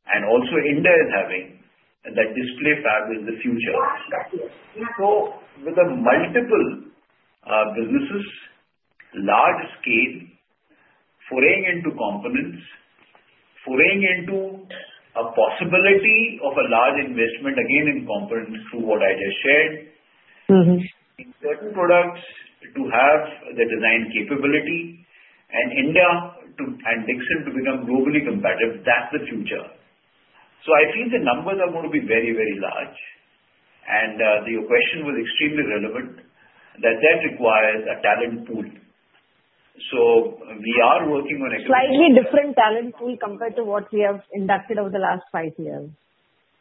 and also India is having, that display fab is the future. So with the multiple businesses, large scale, foraying into components, foraying into a possibility of a large investment again in components through what I just shared, certain products to have the design capability, and India and Dixon to become globally competitive, that's the future. I think the numbers are going to be very, very large. Your question was extremely relevant that that requires a talent pool. We are working on. Slightly different talent pool compared to what we have inducted over the last five years.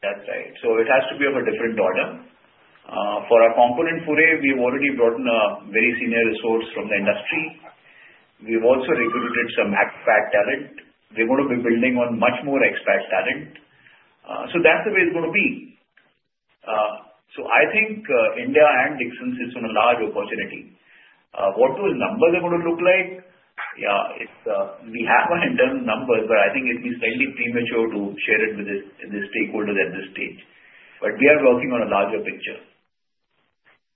That's right. So it has to be of a different order. For our component foray, we have already brought in a very senior resource from the industry. We've also recruited some expat talent. We're going to be building on much more expat talent. So that's the way it's going to be. So I think India and Dixon sits on a large opportunity. What those numbers are going to look like, yeah, we have our internal numbers, but I think it'd be slightly premature to share it with the stakeholders at this stage. But we are working on a larger picture.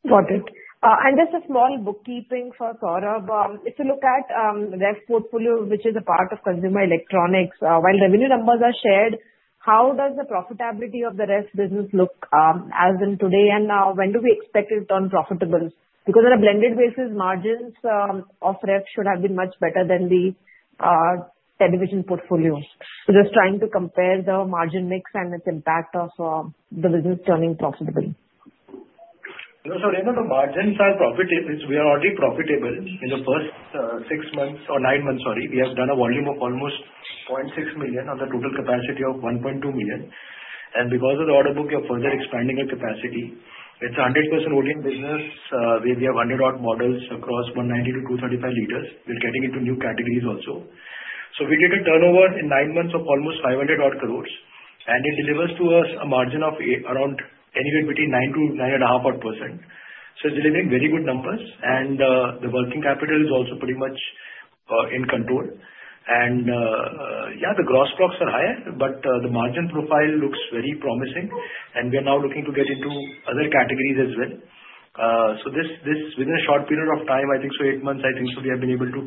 Got it. And just a small bookkeeping for Saurabh. If you look at ref portfolio, which is a part of consumer electronics, while revenue numbers are shared, how does the profitability of the ref business look as in today and now? When do we expect it on profitable? Because on a blended basis, margins of ref should have been much better than the television portfolio. So just trying to compare the margin mix and its impact of the business turning profitable. No, Renu. The margins are profitable. We are already profitable in the first six months or nine months, sorry. We have done a volume of almost 0.6 million on the total capacity of 1.2 million. And because of the order book, we are further expanding our capacity. It's a 100% ODM business. We have 100-odd models across 190 liters to 235 liters. We're getting into new categories also. So we did a turnover in nine months of almost 500 crores. And it delivers to us a margin of around anywhere between 9% to 9.5%. So it's delivering very good numbers. And the working capital is also pretty much in control. And yeah, the gross procurement costs are higher, but the margin profile looks very promising. And we are now looking to get into other categories as well. Within a short period of time, I think so eight months, I think so we have been able to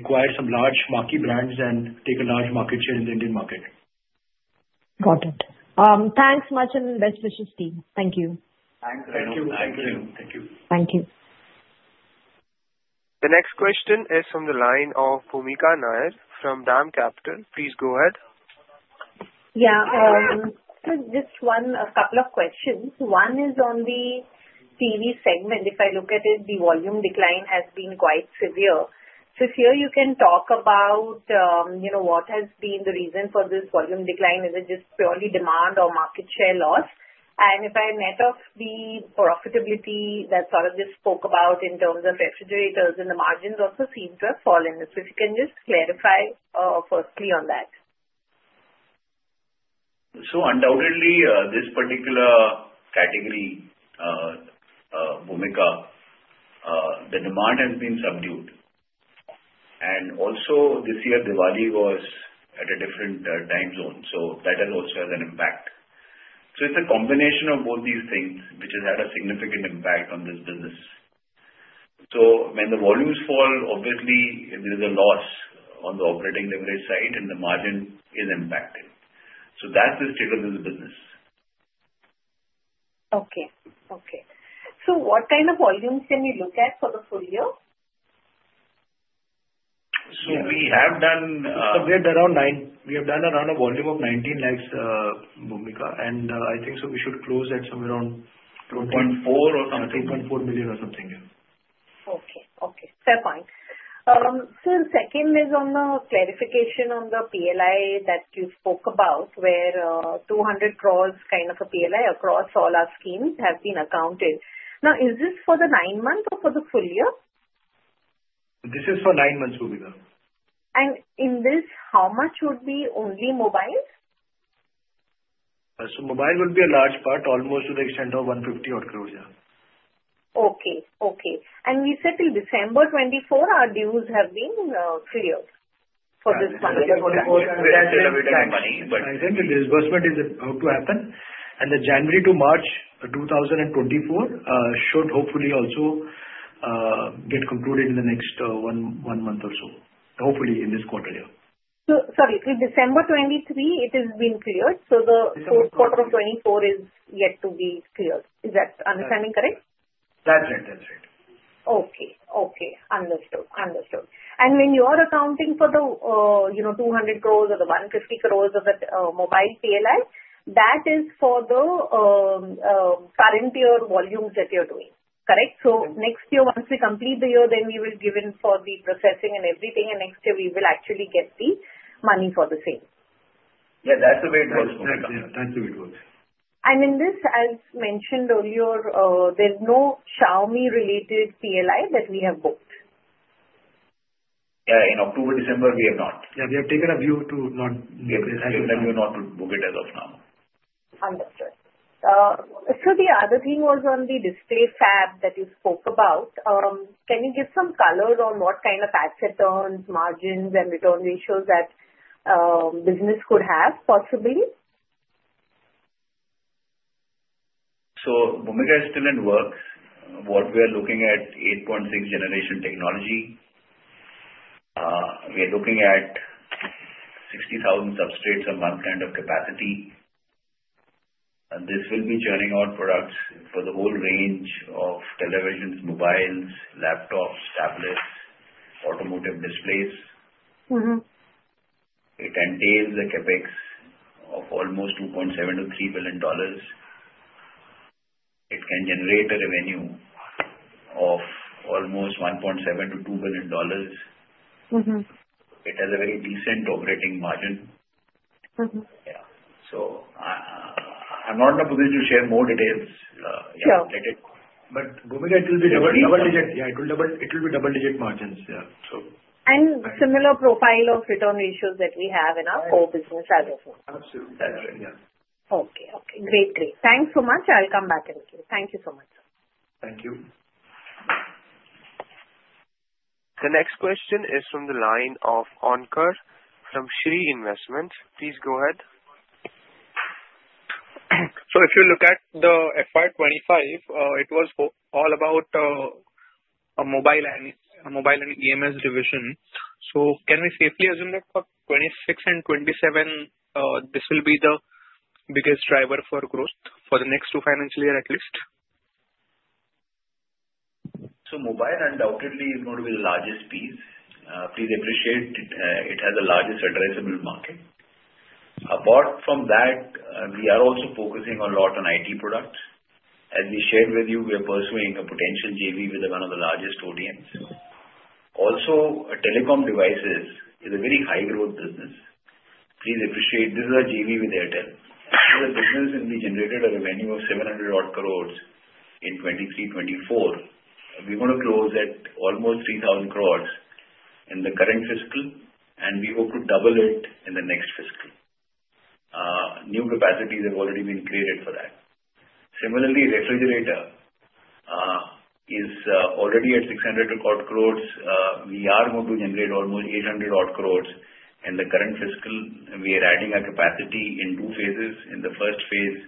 acquire some large marquee brands and take a large market share in the Indian market. Got it. Thanks much and best wishes, team. Thank you. Thanks. Thank you. Thank you. Thank you. The next question is from the line of Bhumika Nair from DAM Capital. Please go ahead. Yeah. So just a couple of questions. One is on the TV segment. If I look at it, the volume decline has been quite severe. So here, you can talk about what has been the reason for this volume decline. Is it just purely demand or market share loss? And if I net off the profitability that Saurabh just spoke about in terms of refrigerators, and the margins also seem to have fallen. So if you can just clarify firstly on that. Undoubtedly, this particular category, Bhoomika, the demand has been subdued. And also, this year, Diwali was at a different time zone. So that has also had an impact. So it's a combination of both these things, which has had a significant impact on this business. So when the volumes fall, obviously, there is a loss on the operating leverage side, and the margin is impacted. So that's the state of this business. Okay. Okay. So what kind of volumes can we look at for the full year? So we have done. So we have done around a volume of 19 lakhs, Bhoomika. And I think so we should close at somewhere around 2.4 or I think 2.4 million or something. Yeah. Okay. Okay. Fair point. So the second is on the clarification on the PLI that you spoke about, where 200 crores kind of a PLI across all our schemes has been accounted. Now, is this for the nine months or for the full year? This is for nine months, Bhoomika. In this, how much would be only mobile? So mobile will be a large part, almost to the extent of 150-odd crores, yeah. Okay. And we said till December 24, our dues have been cleared for this money. Yeah. So we have 24% elevated money, but I think the disbursement is about to happen. And the January to March 2024 should hopefully also get concluded in the next one month or so, hopefully in this quarter, yeah. So sorry, till December 2023, it has been cleared. So the fourth quarter of 2024 is yet to be cleared. Is that understanding correct? That's right. That's right. Okay. Okay. Understood. Understood. When you are accounting for the 200 crores or the 150 crores of the mobile PLI, that is for the current year volumes that you're doing, correct? Correct. Next year, once we complete the year, then we will give in for the processing and everything. Next year, we will actually get the money for the same. Yeah. That's the way it works. That's the way it works. In this, as mentioned earlier, there's no Xiaomi-related PLI that we have booked. Yeah. In October, December, we have not. Yeah. We have taken a view to not. We have taken a view not to book it as of now. Understood. So the other thing was on the display fab that you spoke about. Can you give some color on what kind of asset turns, margins, and return ratios that business could have, possibly? So Bhoomika is still in work. What we are looking at, 8.6-generation technology. We are looking at 60,000 substrates a month kind of capacity. And this will be churning out products for the whole range of televisions, mobiles, laptops, tablets, automotive displays. It entails a CapEx of almost $2.7 billion to $3 billion. It can generate a revenue of almost $1.7 billion to $2 billion. It has a very decent operating margin. Yeah. So I'm not in a position to share more details. Yeah. Let it. But Bhoomika, it will be double-digit. Double-digit. Yeah. It will be double-digit margins, yeah, so. And similar profile of return ratios that we have in our core business as of now. Absolutely. That's right. Yeah. Okay. Great. Thanks so much. I'll come back and see. Thank you so much, sir. Thank you. The next question is from the line of Ankur from Shri Investments. Please go ahead. So if you look at the FY 2025, it was all about a mobile and EMS division. So can we safely assume that for 2026 and 2027, this will be the biggest driver for growth for the next two financial years at least? Mobile undoubtedly is going to be the largest piece. Please appreciate it has the largest addressable market. Apart from that, we are also focusing a lot on IT products. As we shared with you, we are pursuing a potential JV with one of the largest ODMs. Also, telecom devices is a very high-growth business. Please appreciate this is a JV with Airtel. This is a business, and we generated a revenue of 700-odd crores in 2023, 2024. We're going to close at almost 3,000 crores in the current fiscal, and we hope to double it in the next fiscal. New capacities have already been created for that. Similarly, refrigerator is already at 600-odd crores. We are going to generate almost 800-odd crores in the current fiscal. We are adding our capacity in two phases. In the first phase,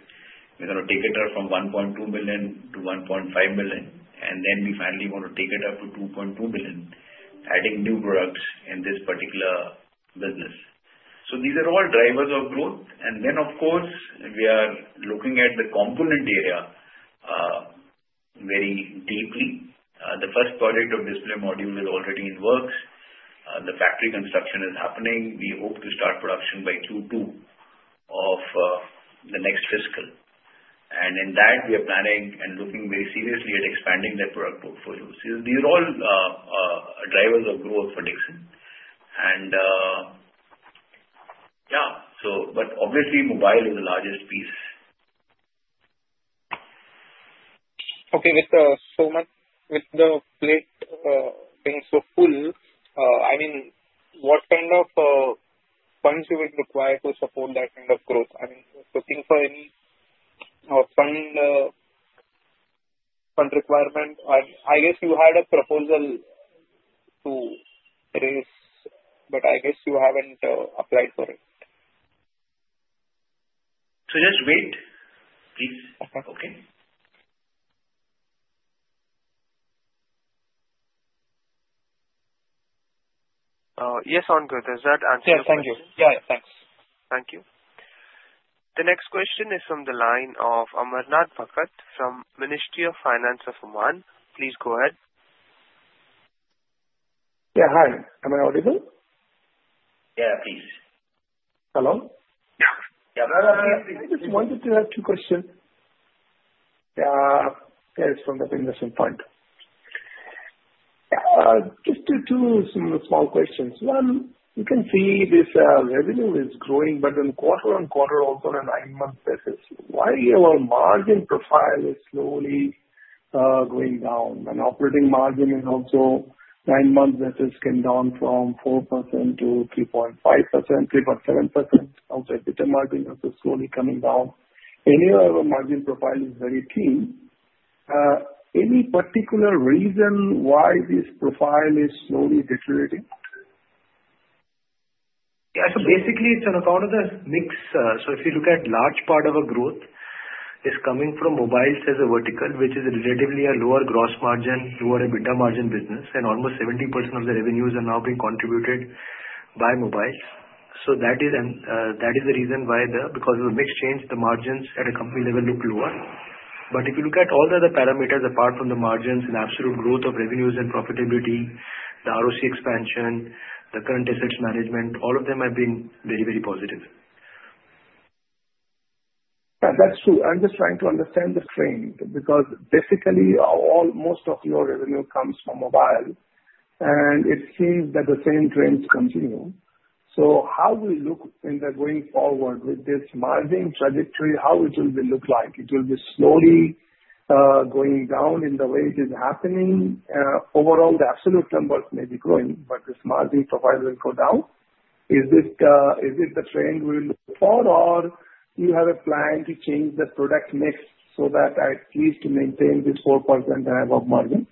we're going to take it up from 1.2 million to 1.5 million, and then we finally want to take it up to 2.2 million, adding new products in this particular business, so these are all drivers of growth, and then, of course, we are looking at the component area very deeply. The first project of display module is already in the works. The factory construction is happening. We hope to start production by Q2 of the next fiscal, and in that, we are planning and looking very seriously at expanding the product portfolio, so these are all drivers of growth for Dixon, and yeah, but obviously, mobile is the largest piece. Okay. With the plate being so full, I mean, what kind of funds you would require to support that kind of growth? I mean, looking for any fund requirement, you had a proposal to raise, but you haven't applied for it. Just wait, please. Okay? Yes, Ankur, does that answer the question? Yeah. Thank you. Yeah. Thanks. Thank you. The next question is from the line of Amarnath Bhagat from Ministry of Finance of Oman. Please go ahead. Yeah. Hi. Am I audible? Yeah. Please. Hello? Yeah. Yeah. Please. I just wanted to have two questions. Yeah. Yeah. It's from the investment fund. Just two small questions. One, you can see this revenue is growing, but then quarter-on-quarter, also on a nine-month basis, why our margin profile is slowly going down? And operating margin is also nine-month basis came down from 4% to 3.5%, 3.7%. Also, EBITDA margin is slowly coming down. Anyway, our margin profile is very keen. Any particular reason why this profile is slowly deteriorating? Yeah. So basically, it's on account of the mix. So if you look at a large part of our growth, it's coming from mobiles as a vertical, which is relatively a lower gross margin, lower EBITDA margin business. And almost 70% of the revenues are now being contributed by mobiles. So that is the reason why, because of the mix change, the margins at a company level look lower. But if you look at all the other parameters apart from the margins and absolute growth of revenues and profitability, the ROCE expansion, the current assets management, all of them have been very, very positive. That's true. I'm just trying to understand the trend because basically, most of your revenue comes from mobile. And it seems that the same trends continue. So how will it look going forward with this margin trajectory? How will it look like? It will be slowly going down in the way it is happening. Overall, the absolute numbers may be growing, but this margin profile will go down. Is this the trend we look for, or do you have a plan to change the product mix so that at least you maintain this 4.7%-odd margin?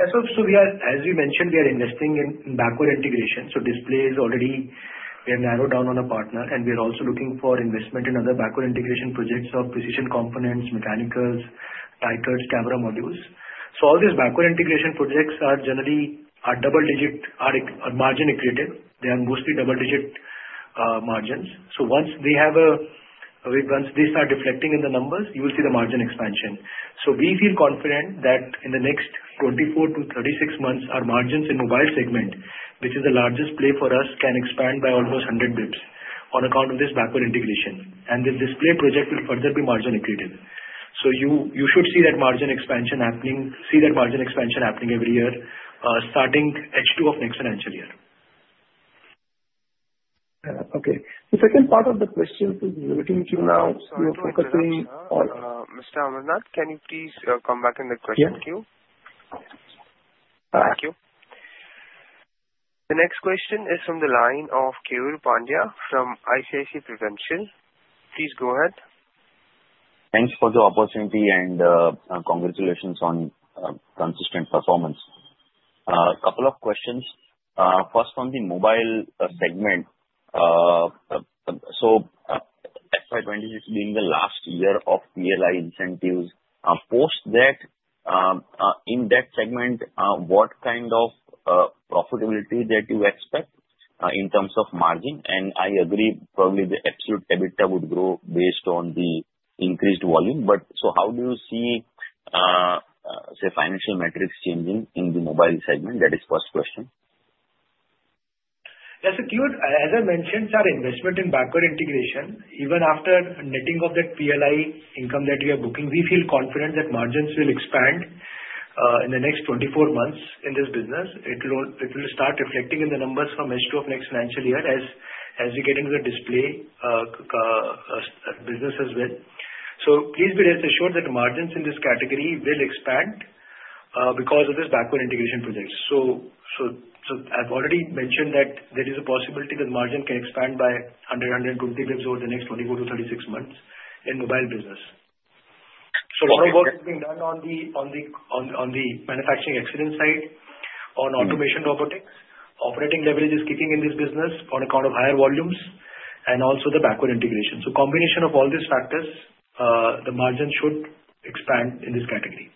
Yeah. So as we mentioned, we are investing in backward integration. So display is already narrowed down on a partner. And we are also looking for investment in other backward integration projects of precision components, mechanicals, fasteners, camera modules. So all these backward integration projects are generally double-digit margin accretive. They are mostly double-digit margins. So once they start reflecting in the numbers, you will see the margin expansion. So we feel confident that in the next 24 months to 36 months, our margins in mobile segment, which is the largest play for us, can expand by almost 100 basis points on account of this backward integration. And this display project will further be margin accretive. So you should see that margin expansion happening every year starting H2 of next financial year. Okay. The second part of the question we're looking to now, we are focusing on. Mr. Ankur, can you please come back in the question queue? Yes. Thank you. The next question is from the line of Keyur Pandya from ICICI Prudential. Please go ahead. Thanks for the opportunity and congratulations on consistent performance. A couple of questions. First, on the mobile segment. So FY 2026 being the last year of PLI incentives, post that, in that segment, what kind of profitability that you expect in terms of margin? And I agree, probably the absolute EBITDA would grow based on the increased volume. But so how do you see, say, financial metrics changing in the mobile segment? That is the first question. Yeah. So as I mentioned, our investment in backward integration, even after netting of that PLI income that we are booking, we feel confident that margins will expand in the next 24 months in this business. It will start reflecting in the numbers from H2 of next financial year as we get into the display business as well. So please be reassured that margins in this category will expand because of this backward integration project. So I've already mentioned that there is a possibility that margin can expand by 100, 120 basis points over the next 24 months to 36 months in mobile business. So a lot of work is being done on the manufacturing excellence side on automation robotics. Operating leverage is kicking in this business on account of higher volumes and also the backward integration. So combination of all these factors, the margin should expand in this category.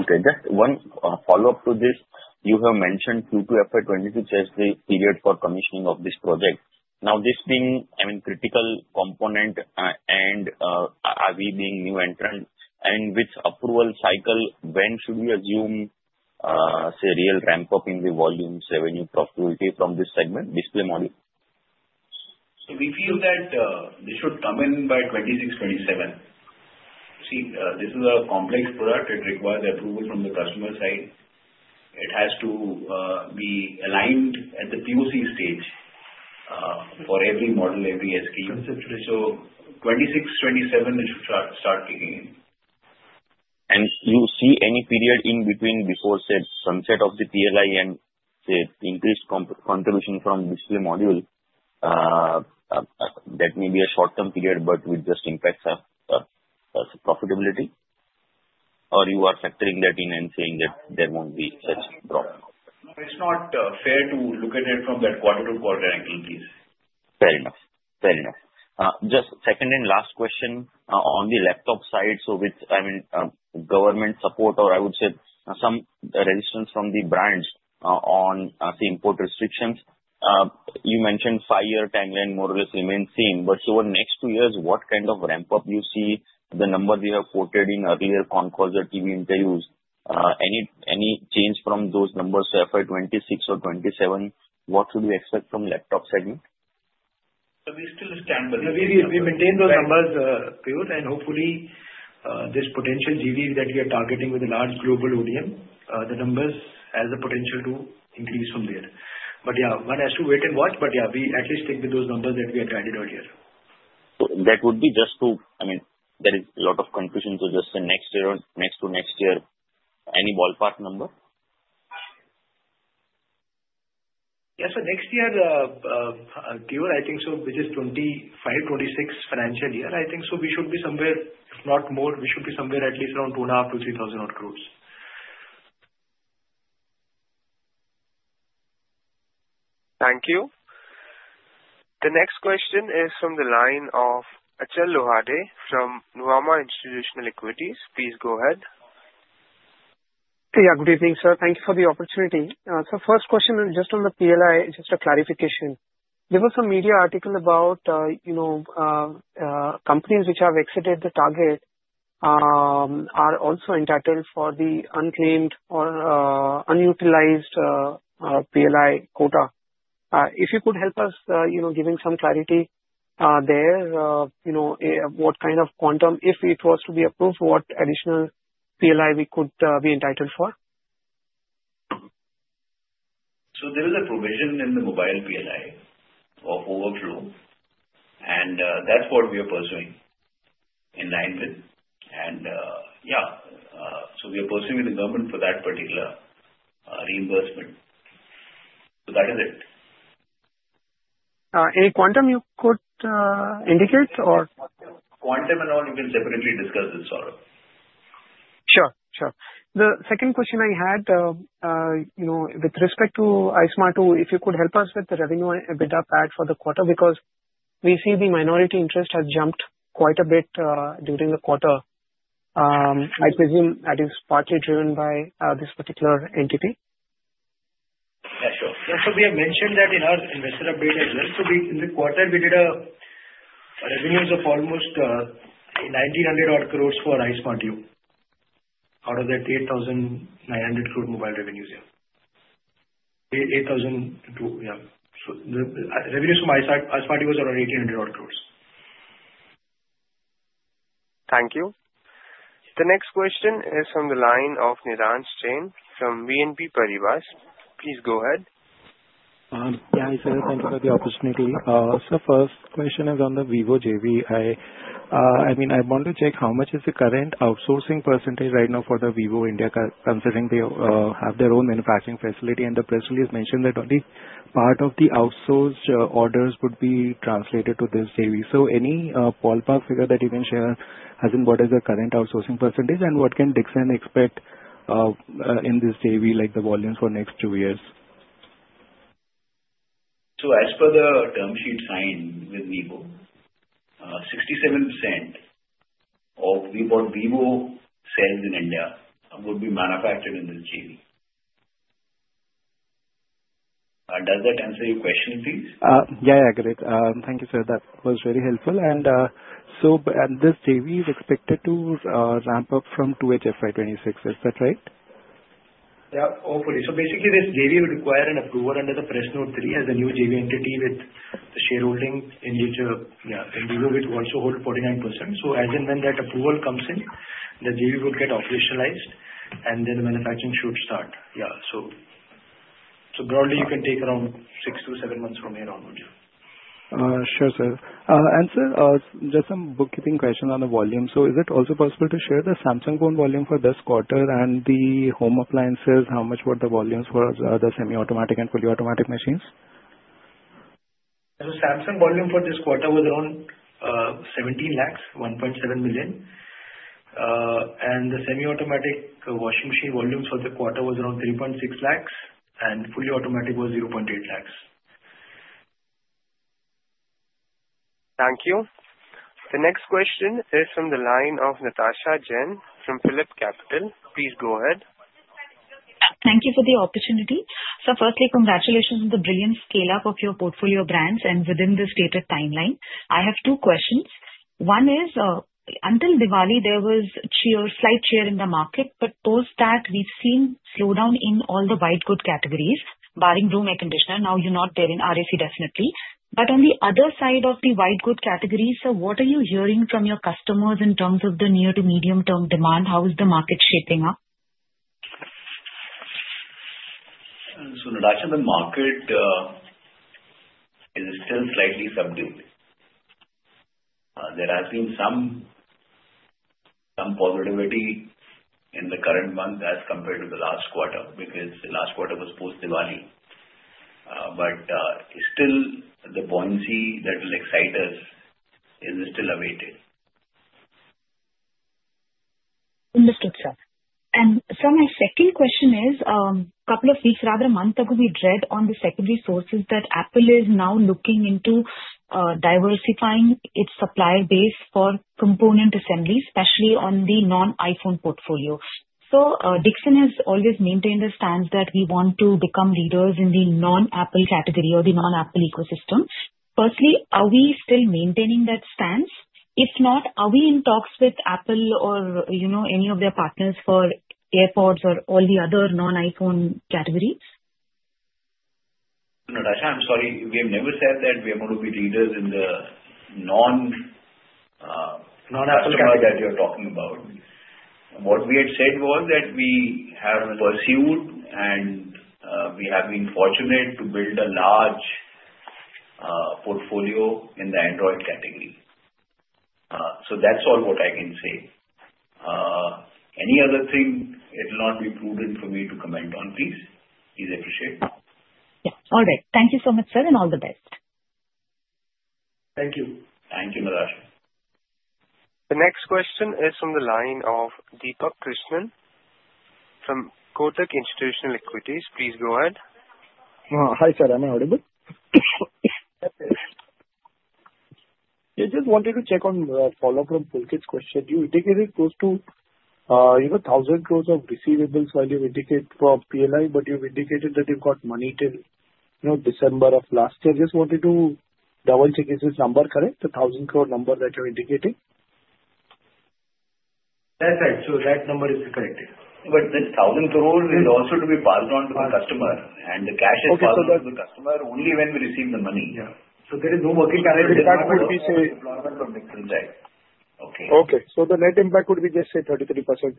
Okay. Just one follow-up to this. You have mentioned Q2 FY 2026 as the period for commissioning of this project. Now, this being a critical component and we being new entrant, I mean, with approval cycle, when should we assume, say, real ramp-up in the volumes, revenue profitability from this segment, display module? So we feel that they should come in by 2026, 2027. See, this is a complex product. It requires approval from the customer side. It has to be aligned at the POC stage for every model, every SKU. So 2026, 2027, it should start kicking in. And you see any period in between before sunset of the PLI and the increased contribution from display module? That may be a short-term period, but it just impacts our profitability. Or you are factoring that in and saying that there won't be such drop? It's not fair to look at it from that quarter-to-quarter angle, please. Fair enough. Fair enough. Just the second and last question on the laptop side. So with, I mean, government support or I would say some resistance from the brands on the import restrictions, you mentioned five-year timeline more or less remains the same. But over the next two years, what kind of ramp-up do you see? The number we have quoted in earlier concalls, the TV interviews, any change from those numbers? So FY 2026 or 2027, what should we expect from laptop segment? So we still stand by this. We maintain those numbers, Keyur, and hopefully, this potential JV that we are targeting with a large global ODM, the numbers has the potential to increase from there. But yeah, one has to wait and watch. But yeah, we at least stick with those numbers that we had guided earlier. I mean, there is a lot of confusion to just say next year or next to next year, any ballpark number? Yeah. So next year, Keyur, I think so, which is 2025, 2026 financial year, I think so, we should be somewhere, if not more, we should be somewhere at least around 2,500 crores to 3,000-odd crores. Thank you. The next question is from the line of Achal Lohade from Nuvama Institutional Equities. Please go ahead. Yeah. Good evening, sir. Thank you for the opportunity. So first question, just on the PLI, just a clarification. There was a media article about companies which have exceeded the target, are also entitled for the unclaimed or unutilized PLI quota. If you could help us giving some clarity there, what kind of quantum, if it was to be approved, what additional PLI we could be entitled for? So there is a provision in the mobile PLI of overflow, and that's what we are pursuing in line with. And yeah, so we are pursuing with the government for that particular reimbursement. So that is it. Any quantum you could indicate, or? Quantum and all, you can separately discuss this sort of. Sure. Sure. The second question I had with respect to ISM 2, if you could help us with the revenue, EBITDA, PAT for the quarter because we see the minority interest has jumped quite a bit during the quarter. I presume that is partly driven by this particular entity. So we have mentioned that in our investor update as well. So in the quarter, we did a revenues of almost 1,900-odd crores for Ismartu out of that 8,900-odd crores mobile revenues. 8,000-odd crores. So revenues from Ismartu was around 1,800-odd crores. Thank you. The next question is from the line of Niraj Jain from BNP Paribas. Please go ahead. Yeah. Hi, sir. Thank you for the opportunity. So first question is on the Vivo JV. I mean, I want to check how much is the current outsourcing percentage right now for the Vivo India, considering they have their own manufacturing facility. And the press release mentioned that only part of the outsourced orders would be translated to this JV. So any ballpark figure that you can share as in what is the current outsourcing percentage and what can Dixon expect in this JV, like the volumes for next two years? So as per the term sheet signed with Vivo, 67% of what Vivo sells in India would be manufactured in this JV. Does that answer your question, please? Yeah. Yeah. Great. Thank you, sir. That was very helpful. And so this JV is expected to ramp up from 2H, FY 2026. Is that right? Yeah. Hopefully. So basically, this JV will require an approval under the Press Note 3 as a new JV entity with the shareholding in which, yeah, in Vivo would also hold 49%. So as in when that approval comes in, the JV would get operationalized, and then the manufacturing should start. Yeah. So broadly, you can take around six to seven months from here onwards. Sure, sir. And sir, just some bookkeeping questions on the volume. So is it also possible to share the Samsung phone volume for this quarter and the home appliances, how much were the volumes for the semi-automatic and fully automatic machines? Samsung volume for this quarter was around 17 lakhs, 1.7 million crores. The semi-automatic washing machine volumes for the quarter was around 3.6 lakhs, and fully automatic was 0.8 lakhs. Thank you. The next question is from the line of Natasha Jain from PhillipCapital. Please go ahead. Thank you for the opportunity. So firstly, congratulations on the brilliant scale-up of your portfolio brands and within this dated timeline. I have two questions. One is, until Diwali, there was slight cheer in the market, but post that, we've seen slowdown in all the white goods categories, barring room air conditioner. Now, you're not there in RAC, definitely. But on the other side of the white goods category, sir, what are you hearing from your customers in terms of the near to medium-term demand? How is the market shaping up? Natasha, the market is still slightly subdued. There has been some positivity in the current month as compared to the last quarter because the last quarter was post-Diwali. But still, the buoyancy that will excite us is still awaited. Understood, sir. And so my second question is, a couple of weeks, rather a month ago, we read on the secondary sources that Apple is now looking into diversifying its supplier base for component assembly, especially on the non-iPhone portfolio. So Dixon has always maintained a stance that we want to become leaders in the non-Apple category or the non-Apple ecosystem. Firstly, are we still maintaining that stance? If not, are we in talks with Apple or any of their partners for AirPods or all the other non-iPhone categories? Natasha, I'm sorry. We have never said that we are going to be leaders in the non-Apple category that you're talking about. What we had said was that we have pursued, and we have been fortunate to build a large portfolio in the Android category. So that's all what I can say. Any other thing it will not be prudent for me to comment on, please. Please appreciate it. Yeah. All right. Thank you so much, sir, and all the best. Thank you. Thank you, Natasha. The next question is from the line of Deepak Krishnan from Kotak Institutional Equities. Please go ahead. Hi, sir. Am I audible? Yes. I just wanted to check on a follow-up from Pulkit's question. You indicated close to 1,000 crores of receivables while you indicate for PLI, but you've indicated that you've got money till December of last year. I just wanted to double-check. Is this number correct, the 1,000 crores number that you're indicating? That's right. So that number is correct. But this 1,000 crores is also to be passed on to the customer. And the cash is passed on to the customer only when we receive the money. Yeah. So there is no working capital challenge with that. So the net impact would be just say 33%, 40%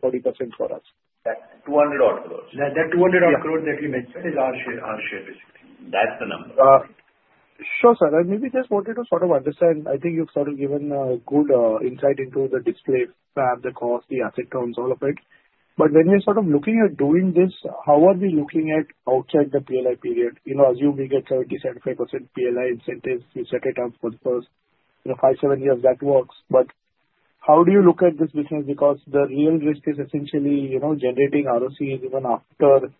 for us. That 200-odd crores. That 200-odd crores that you mentioned is our share, basically. That's the number. Sure, sir. I maybe just wanted to sort of understand. I think you've sort of given a good insight into the display fab, the cost, the asset turns, all of it. But when we're sort of looking at doing this, how are we looking at outside the PLI period? Assume we get 70% to 75% PLI incentives. We set it up for the first five, seven years. That works. But how do you look at this business? Because the real risk is essentially generating ROCE even after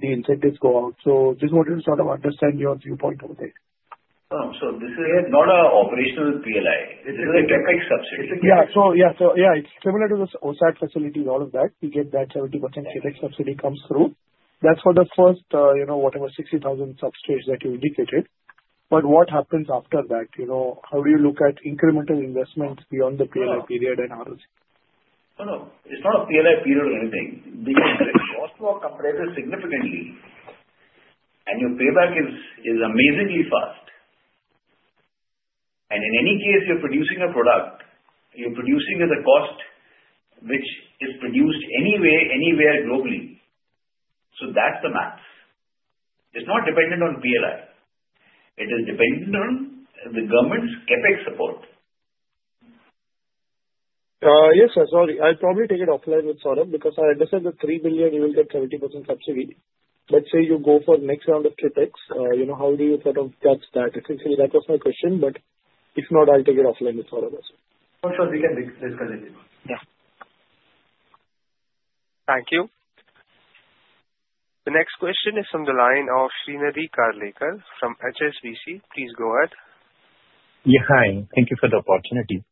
the incentives go out. So just wanted to sort of understand your viewpoint on it. This is not an operational PLI. This is a CapEx subsidy. Yeah. So yeah, it's similar to the OSAT facilities, all of that. You get that 70% CapEx subsidy comes through. That's for the first, whatever, 60,000 substrate that you indicated. But what happens after that? How do you look at incremental investments beyond the PLI period and ROC? Oh, no. It's not a PLI period or anything. Because the costs were compared significantly, and your payback is amazingly fast. And in any case, you're producing a product. You're producing at a cost which is produced anyway anywhere globally. So that's the max. It's not dependent on PLI. It is dependent on the government's CapEx support. Yes, sir. Sorry. I'll probably take it offline with Saurabh because I understand the 3 billion crores, you will get 70% subsidy. But say you go for the next round of CapEx, how do you sort of catch that? Essentially, that was my question. But if not, I'll take it offline with Saurabh also. Oh, sure. We can discuss it. Yeah. Thank you. The next question is from the line of Shrinidhi Karlekar from HSBC. Please go ahead. Yeah. Hi. Thank you for the opportunity.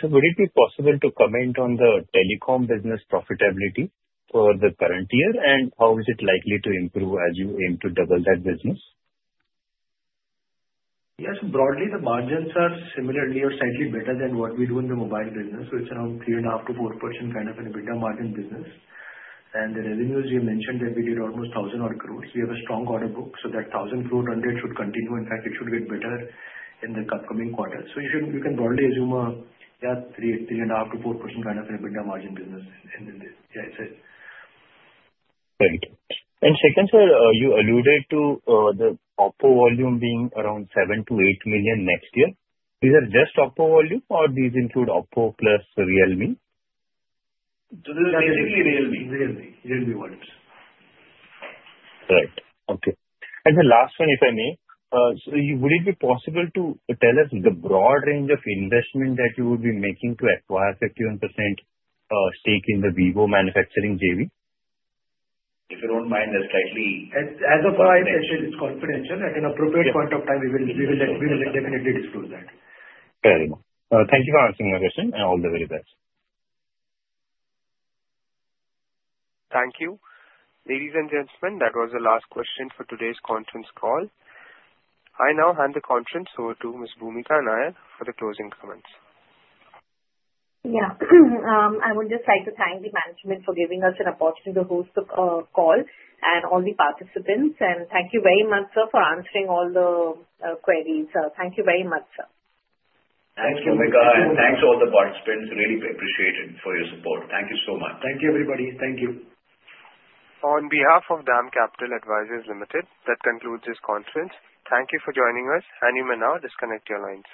Sir, would it be possible to comment on the telecom business profitability for the current year, and how is it likely to improve as you aim to double that business? Yes. Broadly, the margins are similarly or slightly better than what we do in the mobile business, which is around 3.5% to 4% kind of an EBITDA margin business. And the revenues you mentioned that we did almost 1,000-odd crores. We have a strong order book, so that 1,000 crore run rate should continue. In fact, it should get better in the upcoming quarter. So you can broadly assume a 3.5% to 4% kind of an EBITDA margin business in this. Yeah, that's it. Thank you. And second, sir, you alluded to the OPPO volume being around seven to eight million next year. These are just OPPO volume, or these include OPPO plus Realme? Those are basically Realme. Realme volumes. Right. Okay. And the last one, if I may, so would it be possible to tell us the broad range of investment that you would be making to acquire 51% stake in the Vivo manufacturing JV? If you don't mind, there's slightly. As of now, I said it's confidential. At an appropriate point of time, we will definitely disclose that. Very well. Thank you for answering my question and all the very best. Thank you. Ladies and gentlemen, that was the last question for today's conference call. I now hand the conference over to Ms. Bhoomika Nair for the closing comments. Yeah. I would just like to thank the management for giving us an opportunity to host the call and all the participants, and thank you very much, sir, for answering all the queries. Thank you very much, sir. Thanks, Bhoomika. Thanks to all the participants. Really appreciate it for your support. Thank you so much. Thank you, everybody. Thank you. On behalf of DAM Capital Advisors Limited, that concludes this conference. Thank you for joining us and you may now disconnect your lines.